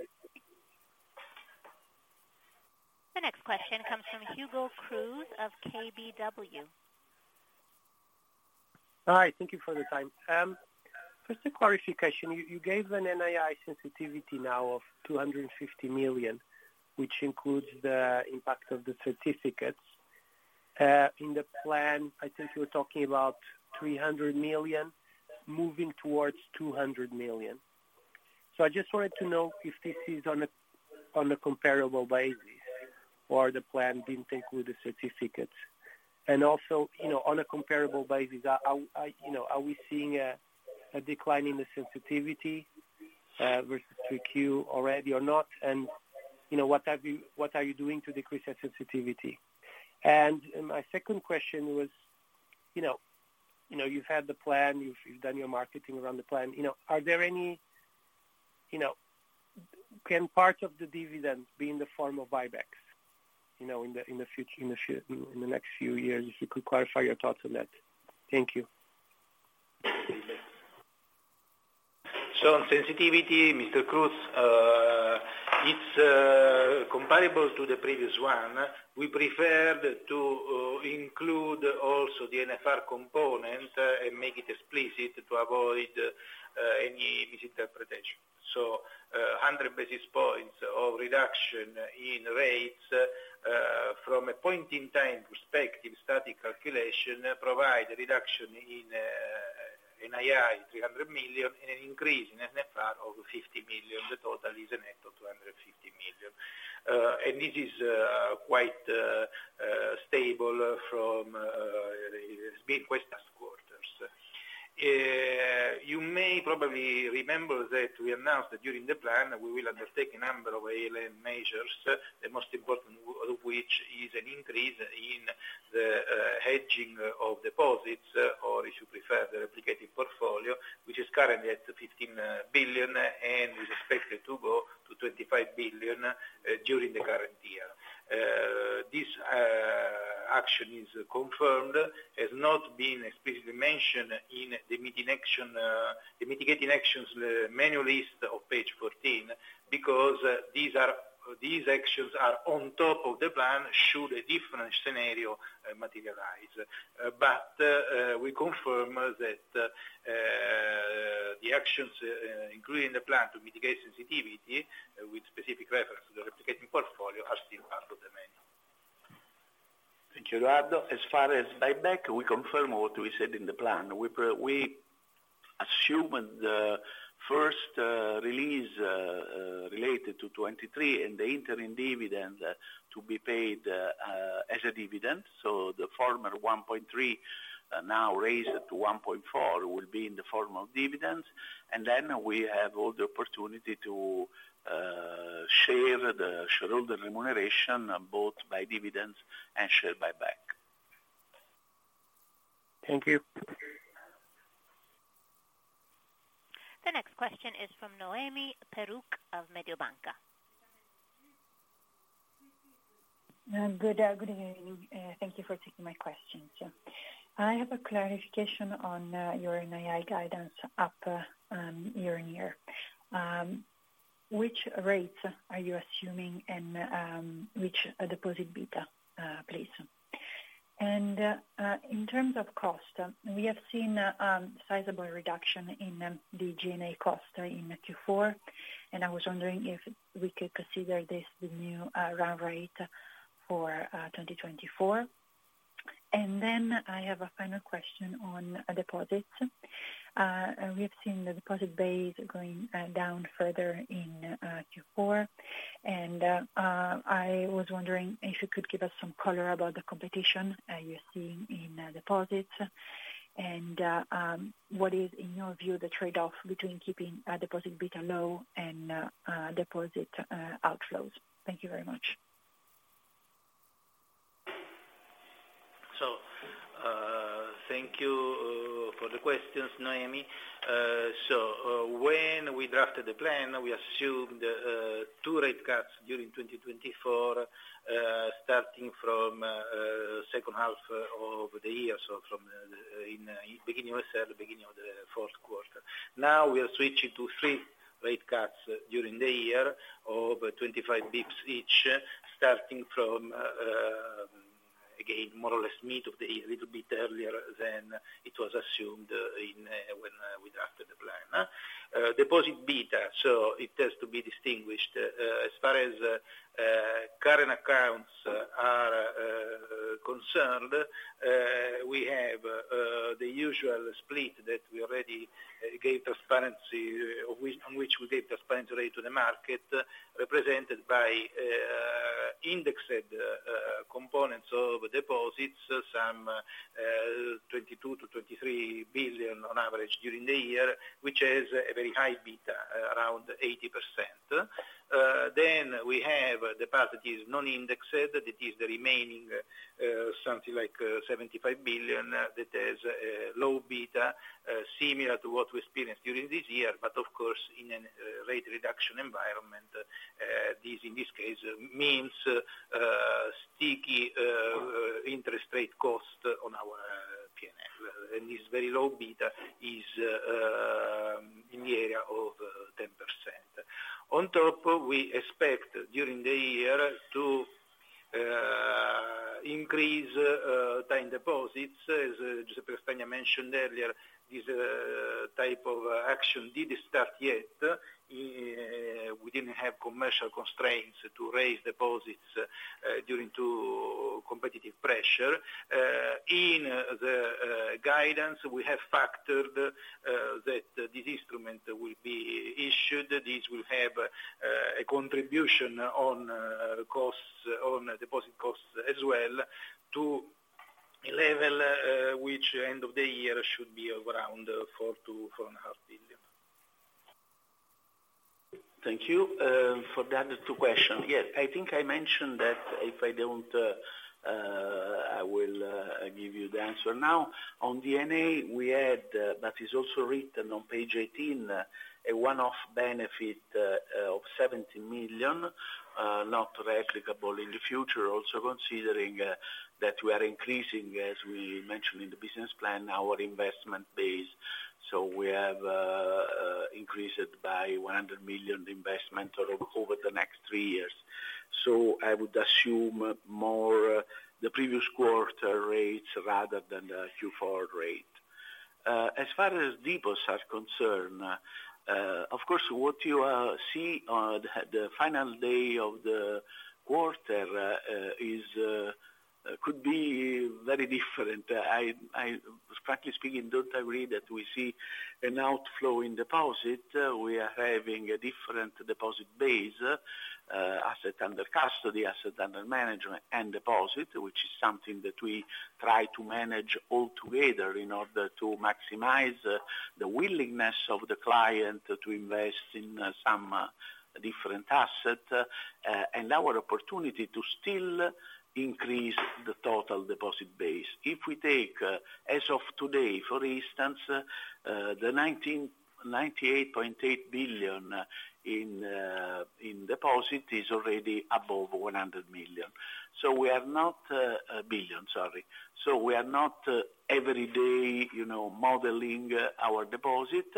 The next question comes from Hugo Cruz of KBW. Hi. Thank you for the time. First, a clarification. You gave an NII sensitivity now of 250 million, which includes the impact of the certificates. In the plan, I think you were talking about 300 million moving towards 200 million. So I just wanted to know if this is on a comparable basis or the plan didn't include the certificates. And also, you know, on a comparable basis, are we seeing a decline in the sensitivity versus 3Q already or not? And, you know, what are you doing to decrease that sensitivity? And my second question was, you know, you've had the plan. You've done your marketing around the plan. You know, are there any you know, can part of the dividend be in the form of buybacks, you know, in the future in the next few years? If you could clarify your thoughts on that. Thank you. So on sensitivity, Mr. Cruz, it's comparable to the previous one. We preferred to include also the NFR component and make it explicit to avoid any misinterpretation. So, 100 basis points of reduction in rates, from a point-in-time perspective, static calculation, provide reduction in NII, 300 million, and an increase in NFR of 50 million. The total is a net of 250 million. And this is quite stable from; it's been quite last quarters. You may probably remember that we announced that during the plan, we will undertake a number of ALM measures, the most important of which is an increase in the hedging of deposits or, if you prefer, the replicated portfolio, which is currently at 15 billion and is expected to go to 25 billion during the current year. This action is confirmed. It's not been explicitly mentioned in the mitigation the mitigating actions manual list of page 14 because these actions are on top of the plan should a different scenario materialize. But we confirm that the actions, including the plan to mitigate sensitivity with specific reference to the replicating portfolio, are still part of the manual. Thank you, Edoardo. As far as buyback, we confirm what we said in the plan. We assumed the first release related to 2023 and the interim dividend to be paid as a dividend. So the former 1.3, now raised to 1.4 will be in the form of dividends. And then we have all the opportunity to share the shareholder remuneration both by dividends and share buyback. Thank you. The next question is from Noemi Peruch of Mediobanca. Good evening. Thank you for taking my question, sir. I have a clarification on your NII guidance up year-on-year. Which rates are you assuming and which deposit beta, please? And in terms of cost, we have seen sizable reduction in the G&A cost in Q4, and I was wondering if we could consider this the new run rate for 2024. And then I have a final question on deposits. We have seen the deposit base going down further in Q4. And I was wondering if you could give us some color about the competition you're seeing in deposits. And what is, in your view, the trade-off between keeping deposit beta low and deposit outflows? Thank you very much. So, thank you for the questions, Noemi. So, when we drafted the plan, we assumed two rate cuts during 2024, starting from second half of the year, so from beginning of the fourth quarter. Now we are switching to three rate cuts during the year of 25 bips each, starting from again more or less mid of the year, a little bit earlier than it was assumed in when we drafted the plan. Deposit beta, so it has to be distinguished. As far as current accounts are concerned, we have the usual split that we already gave transparency of which on which we gave transparency already to the market, represented by indexed components of deposits, some 22-23 billion on average during the year, which has a very high beta, around 80%. Then we have the part that is non-indexed, that is the remaining, something like, 75 billion, that has low beta, similar to what we experienced during this year, but, of course, in an rate reduction environment, this, in this case, means sticky interest rate cost on our P&L. And this very low beta is in the area of 10%. On top, we expect during the year to increase time deposits. As Giuseppe Castagna mentioned earlier, this type of action didn't start yet. We didn't have commercial constraints to raise deposits due to competitive pressure. In the guidance, we have factored that this instrument will be issued. This will have a contribution on costs on deposit costs as well to a level, which end of the year should be around 4 billion-4.5 billion. Thank you for the other two questions, yes. I think I mentioned that if I don't, I will give you the answer now. On D&A, we had, but it is also written on page 18, a one-off benefit of 70 million, not replicable in the future, also considering that we are increasing, as we mentioned in the business plan, our investment base. So we have increased it by 100 million investment over over the next three years. So I would assume more the previous quarter rates rather than the Q4 rate. As far as deposits are concerned, of course, what you see on the final day of the quarter is could be very different. I frankly speaking don't agree that we see an outflow in deposits. We are having a different deposit base, asset under custody, asset under management, and deposit, which is something that we try to manage altogether in order to maximize the willingness of the client to invest in some different asset, and our opportunity to still increase the total deposit base. If we take, as of today, for instance, the 198.8 billion in deposit is already above 100 million. So we are not, billion, sorry. So we are not every day, you know, modeling our deposit.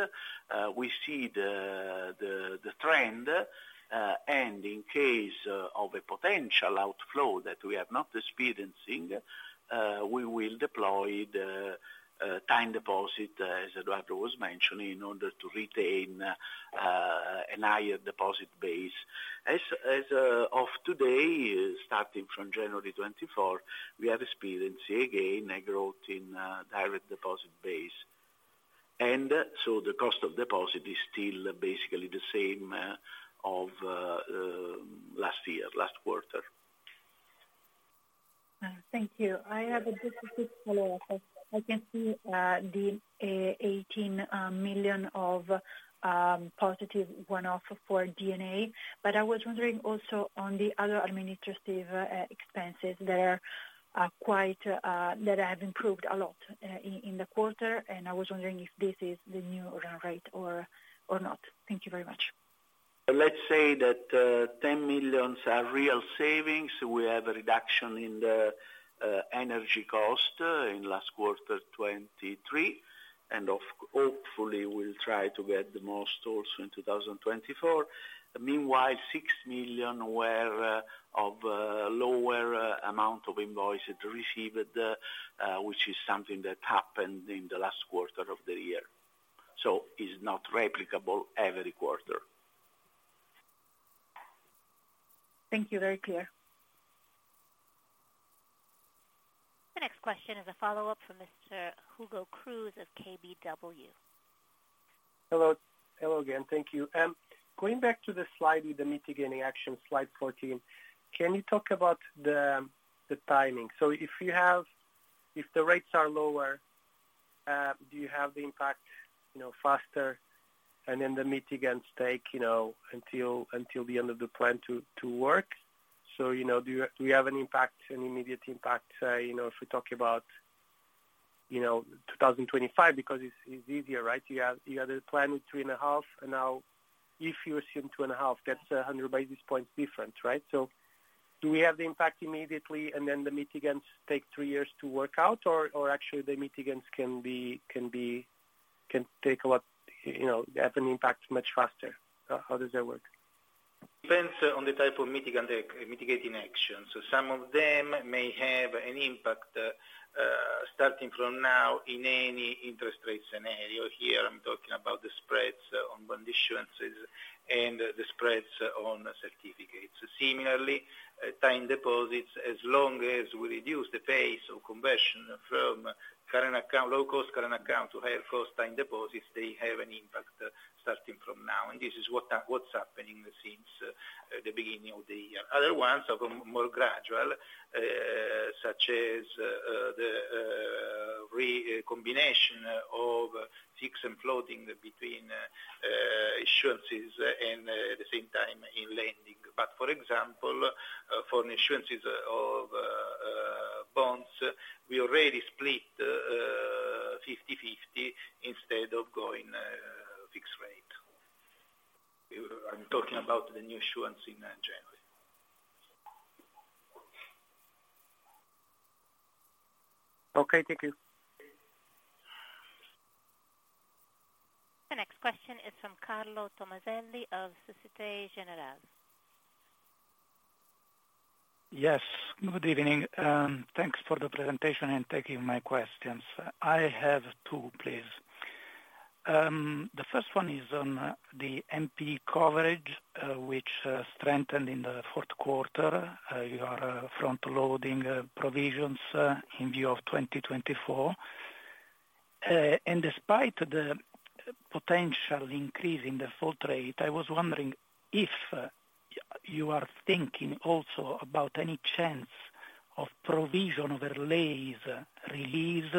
We see the trend, and in case of a potential outflow that we are not experiencing, we will deploy the time deposit, as Edoardo was mentioning, in order to retain a higher deposit base. As of today, starting from January 24, we are experiencing again a growth in direct deposit base. And so the cost of deposit is still basically the same, last year, last quarter. Thank you. I have a difficult follow-up. I can see the 18 million of positive one-off for D&A. But I was wondering also on the other administrative expenses that have improved a lot in the quarter. I was wondering if this is the new run rate or not. Thank you very much. Let's say that, 10 million are real savings. We have a reduction in the energy cost in last quarter, 2023, and hopefully, we'll try to get the most also in 2024. Meanwhile, 6 million were of lower amount of invoices received, which is something that happened in the last quarter of the year. So it's not replicable every quarter. Thank you. Very clear. The next question is a follow-up from Mr. Hugo Cruz of KBW. Hello. Hello again. Thank you. Going back to the slide with the mitigating actions, slide 14, can you talk about the timing? So if the rates are lower, do you have the impact, you know, faster, and then the mitigants take, you know, until the end of the plan to work? So, you know, do you have an impact, an immediate impact, say, you know, if we talk about 2025 because it's easier, right? You had a plan with 3.5, and now if you assume 2.5, that's 100 basis points different, right? So do we have the impact immediately, and then the mitigants take three years to work out, or actually, the mitigants can have an impact much faster? How, how does that work? Depends on the type of mitigating action. So some of them may have an impact, starting from now in any interest rate scenario. Here, I'm talking about the spreads on bond issuances and the spreads on certificates. Similarly, time deposits, as long as we reduce the pace of conversion from low-cost current accounts to higher-cost time deposits, they have an impact starting from now. And this is what's happening since the beginning of the year. Other ones are more gradual, such as the recombination of fixed and floating between issuances and, at the same time, in lending. But for example, for issuances of bonds, we already split 50/50 instead of going fixed rate. I'm talking about the new issuance in January. Okay. Thank you. The next question is from Carlo Tommaselli of Société Générale. Yes. Good evening. Thanks for the presentation and taking my questions. I have two, please. The first one is on the NPE coverage, which strengthened in the fourth quarter. You are front-loading provisions in view of 2024. And despite the potential increase in the default rate, I was wondering if you are thinking also about any chance of provision overlays release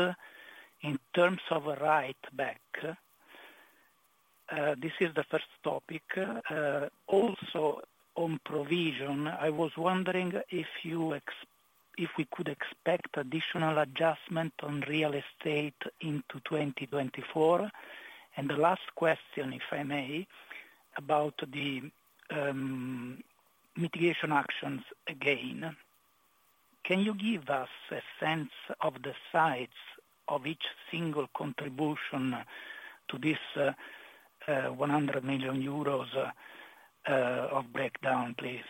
in terms of a write back. This is the first topic. Also on provisions, I was wondering if we could expect additional adjustment on real estate into 2024. The last question, if I may, about the mitigation actions again. Can you give us a sense of the sizes of each single contribution to this 100 million euros of breakdown, please?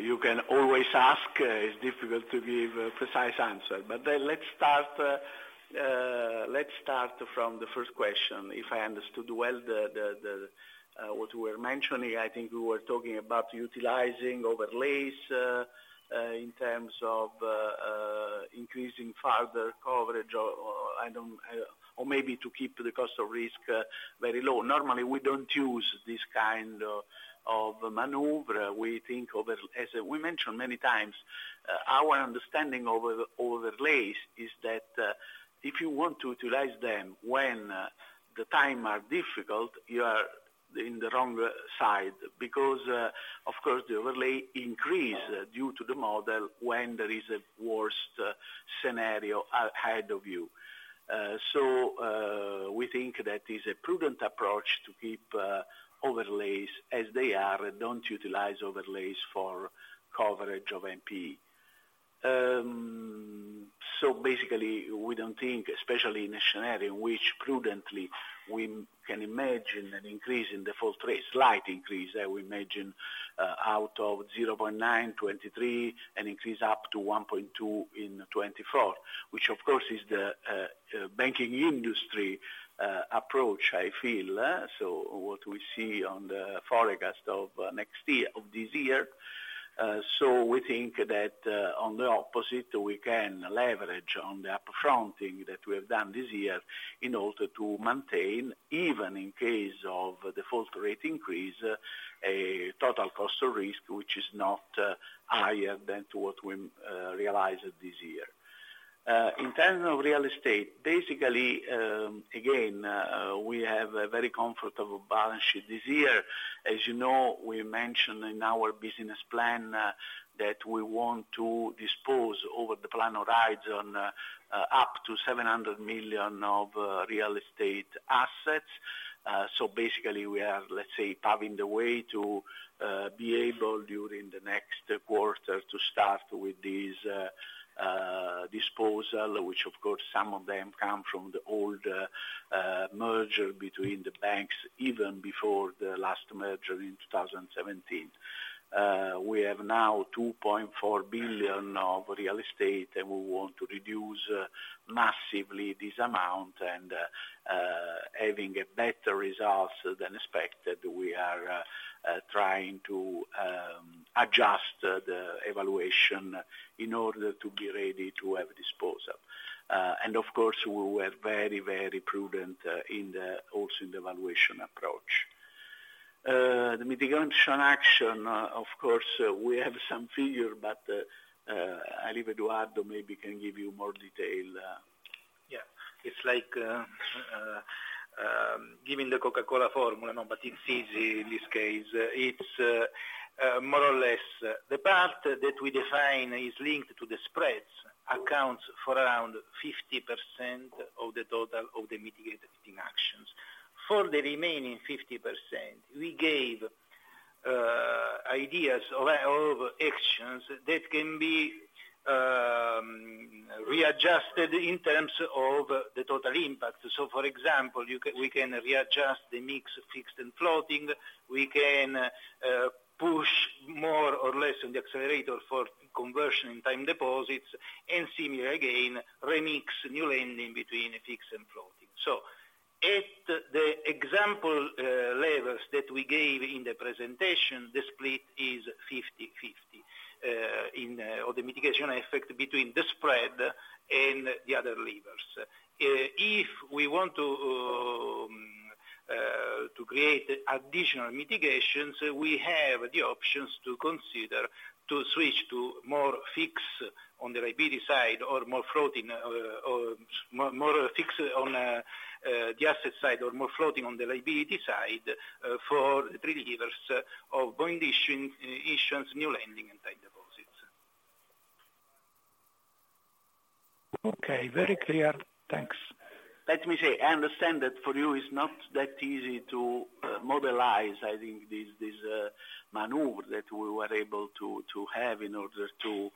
You can always ask. It's difficult to give a precise answer. But, let's start from the first question, if I understood well what you were mentioning. I think we were talking about utilizing overlays, in terms of increasing further coverage or maybe to keep the cost of risk very low. Normally, we don't use this kind of maneuver. We think over as we mentioned many times, our understanding of overlays is that, if you want to utilize them when the times are difficult, you are in the wrong side because, of course, the overlay increase due to the model when there is a worst scenario ahead of you. So, we think that is a prudent approach to keep overlays as they are and don't utilize overlays for coverage of NPE. So basically, we don't think, especially in a scenario in which prudently, we can imagine an increase in the cost of risk, slight increase, I would imagine, of 0.9% in 2023, an increase up to 1.2% in 2024, which, of course, is the banking industry approach, I feel. So what we see on the forecast of next year of this year. So we think that, on the opposite, we can leverage on the upfronting that we have done this year in order to maintain, even in case of the cost of risk increase, a total cost of risk which is not higher than what we realized this year. In terms of real estate, basically, again, we have a very comfortable balance sheet this year. As you know, we mentioned in our business plan that we want to dispose over the plan horizon up to 700 million of real estate assets. So basically, we are, let's say, paving the way to be able during the next quarter to start with this disposal, which, of course, some of them come from the old merger between the banks even before the last merger in 2017. We have now 2.4 billion of real estate, and we want to reduce massively this amount. And having a better result than expected, we are trying to adjust the evaluation in order to be ready to have disposal. And of course, we were very, very prudent in the also in the evaluation approach. The mitigation action, of course, we have some figure, but I leave Edoardo maybe can give you more detail. Yeah. It's like giving the Coca-Cola formula, no? But it's easy in this case. It's more or less the part that we define is linked to the spreads accounts for around 50% of the total of the mitigating actions. For the remaining 50%, we gave ideas of actions that can be readjusted in terms of the total impact. So, for example, we can readjust the mix fixed and floating. We can push more or less on the accelerator for conversion in time deposits and similar, again, remix new lending between fixed and floating. So at the example levels that we gave in the presentation, the split is 50/50, or the mitigation effect between the spread and the other levers. If we want to create additional mitigations, we have the options to consider to switch to more fixed on the liability side or more floating, or more fixed on the asset side or more floating on the liability side, for three levers of bond issuance, new lending, and time deposits. Okay. Very clear. Thanks. Let me say, I understand that for you, it's not that easy to model, I think, this maneuver that we were able to have in order to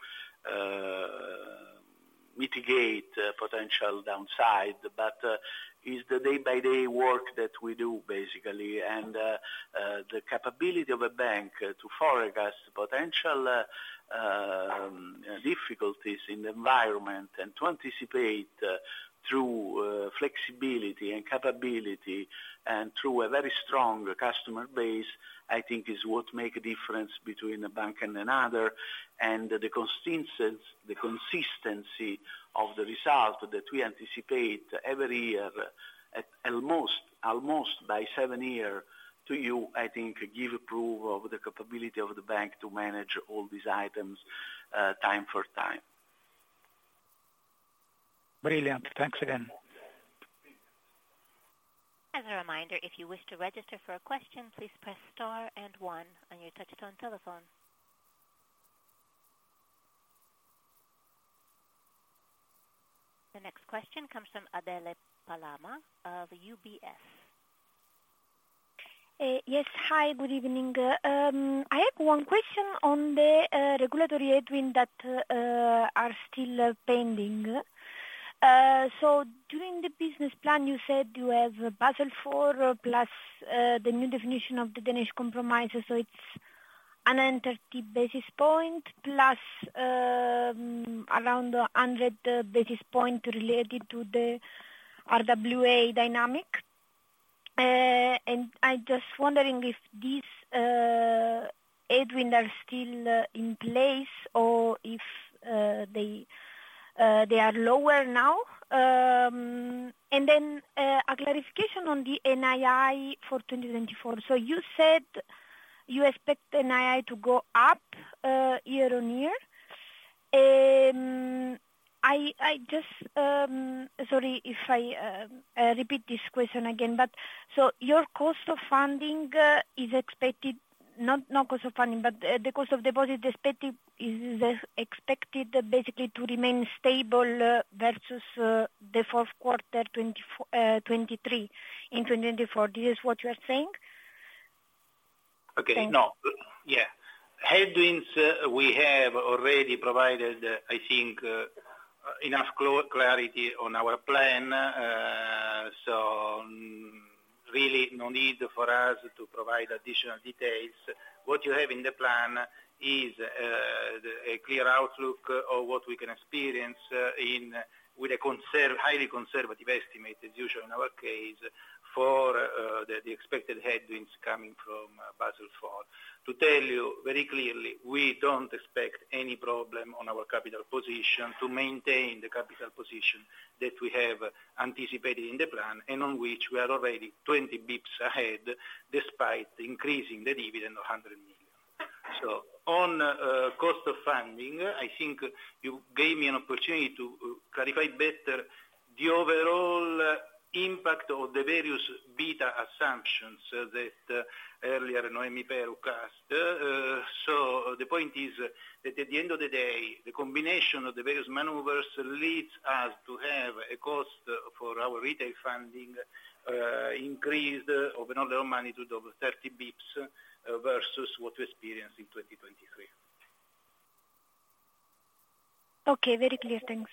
mitigate potential downside. But it's the day-by-day work that we do, basically. And the capability of a bank to forecast potential difficulties in the environment and to anticipate through flexibility and capability and through a very strong customer base, I think, is what makes a difference between a bank and another. The consistency of the result that we anticipate every year at almost almost by seven years to you, I think, gives proof of the capability of the bank to manage all these items, time for time. Brilliant. Thanks again. As a reminder, if you wish to register for a question, please press star and one on your touch-tone telephone. The next question comes from Adele Palama of UBS. Yes. Hi. Good evening. I have one question on the regulatory headwind that are still pending. During the business plan, you said you have Basel IV plus the new definition of the Danish Compromise. It's an enter basis point plus around 100 basis points related to the RWA dynamic. I'm just wondering if these headwinds are still in place or if they are lower now. Then, a clarification on the NII for 2024. You said you expect NII to go up year-on-year. I just, sorry if I repeat this question again. But so your cost of funding is expected not, not cost of funding, but the cost of deposit expected is expected, basically, to remain stable versus the fourth quarter 2023 in 2024. This is what you are saying? Okay. No. Yeah. Headwinds, we have already provided, I think, enough clarity on our plan. So really, no need for us to provide additional details. What you have in the plan is a clear outlook of what we can experience with a conservative highly conservative estimate, as usual in our case, for the expected headwinds coming from Basel IV. To tell you very clearly, we don't expect any problem on our capital position to maintain the capital position that we have anticipated in the plan and on which we are already 20 bps ahead despite increasing the dividend of 100 million. So on cost of funding, I think you gave me an opportunity to clarify better the overall impact of the various beta assumptions that earlier Noemi Peruch cast. The point is that at the end of the day, the combination of the various maneuvers leads us to have a cost for our retail funding, increased of an order of magnitude of 30 basis points, versus what we experienced in 2023. Okay. Very clear. Thanks.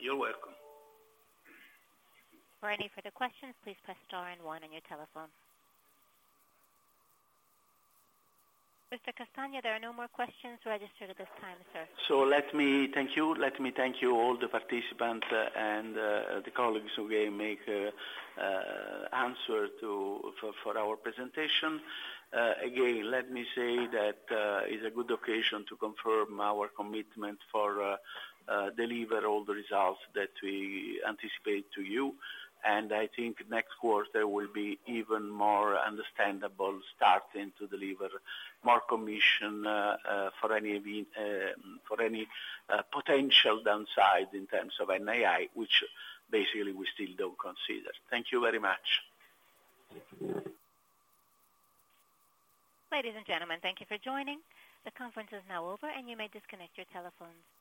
You're welcome. For any further questions, please press star and one on your telephone. Mr. Castagna, there are no more questions registered at this time, sir. So let me thank you. Let me thank you all the participants and the colleagues who gave an answer to our presentation. Again, let me say that it's a good occasion to confirm our commitment to deliver all the results that we anticipate to you. And I think next quarter will be even more understandable starting to deliver more commission for any event for any potential downside in terms of NII, which basically we still don't consider. Thank you very much. Ladies and gentlemen, thank you for joining. The conference is now over, and you may disconnect your telephones.